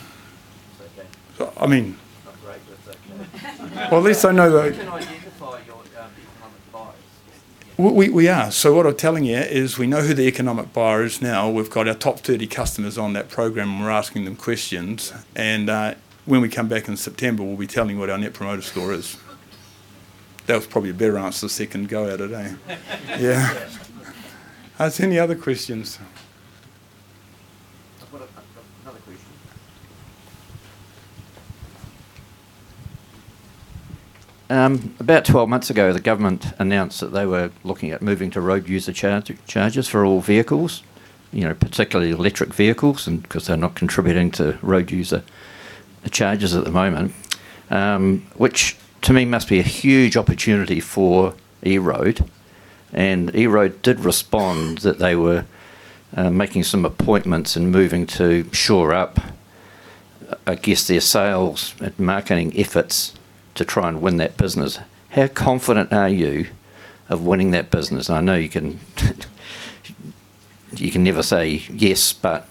S18: It's okay.
S1: I mean.
S18: Not great, but it's okay.
S1: Well, at least I know.
S18: You can identify your economic buyers.
S1: We are. What I'm telling you is we know who the economic buyer is now. We've got our top 30 customers on that program, and we're asking them questions.
S18: Okay.
S1: When we come back in September, we'll be telling you what our Net Promoter Score is. That was probably a better answer the second go at it, eh? Yeah. Any other questions?
S18: I've got another question. About 12 months ago, the government announced that they were looking at moving to road user charges for all vehicles, particularly electric vehicles because they're not contributing to road user charges at the moment, which to me must be a huge opportunity for EROAD. EROAD did respond that they were making some appointments and moving to shore up, I guess, their sales and marketing efforts to try and win that business. How confident are you of winning that business? I know you can never say yes, but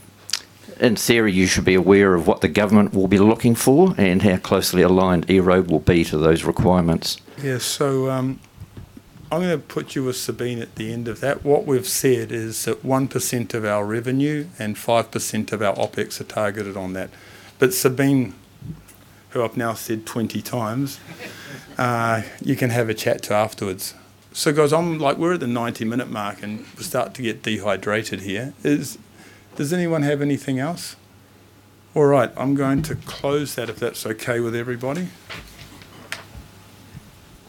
S18: in theory, you should be aware of what the government will be looking for and how closely aligned EROAD will be to those requirements.
S1: I'm going to put you with Sabine at the end of that. What we've said is that 1% of our revenue and 5% of our OpEx are targeted on that. Sabine, who I've now said 20 times, you can have a chat to afterwards. Guys, we're at the 90-minute mark, and we're starting to get dehydrated here. Does anyone have anything else? All right. I'm going to close that if that's okay with everybody.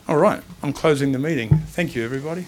S1: All right. I'm closing the meeting. Thank you, everybody.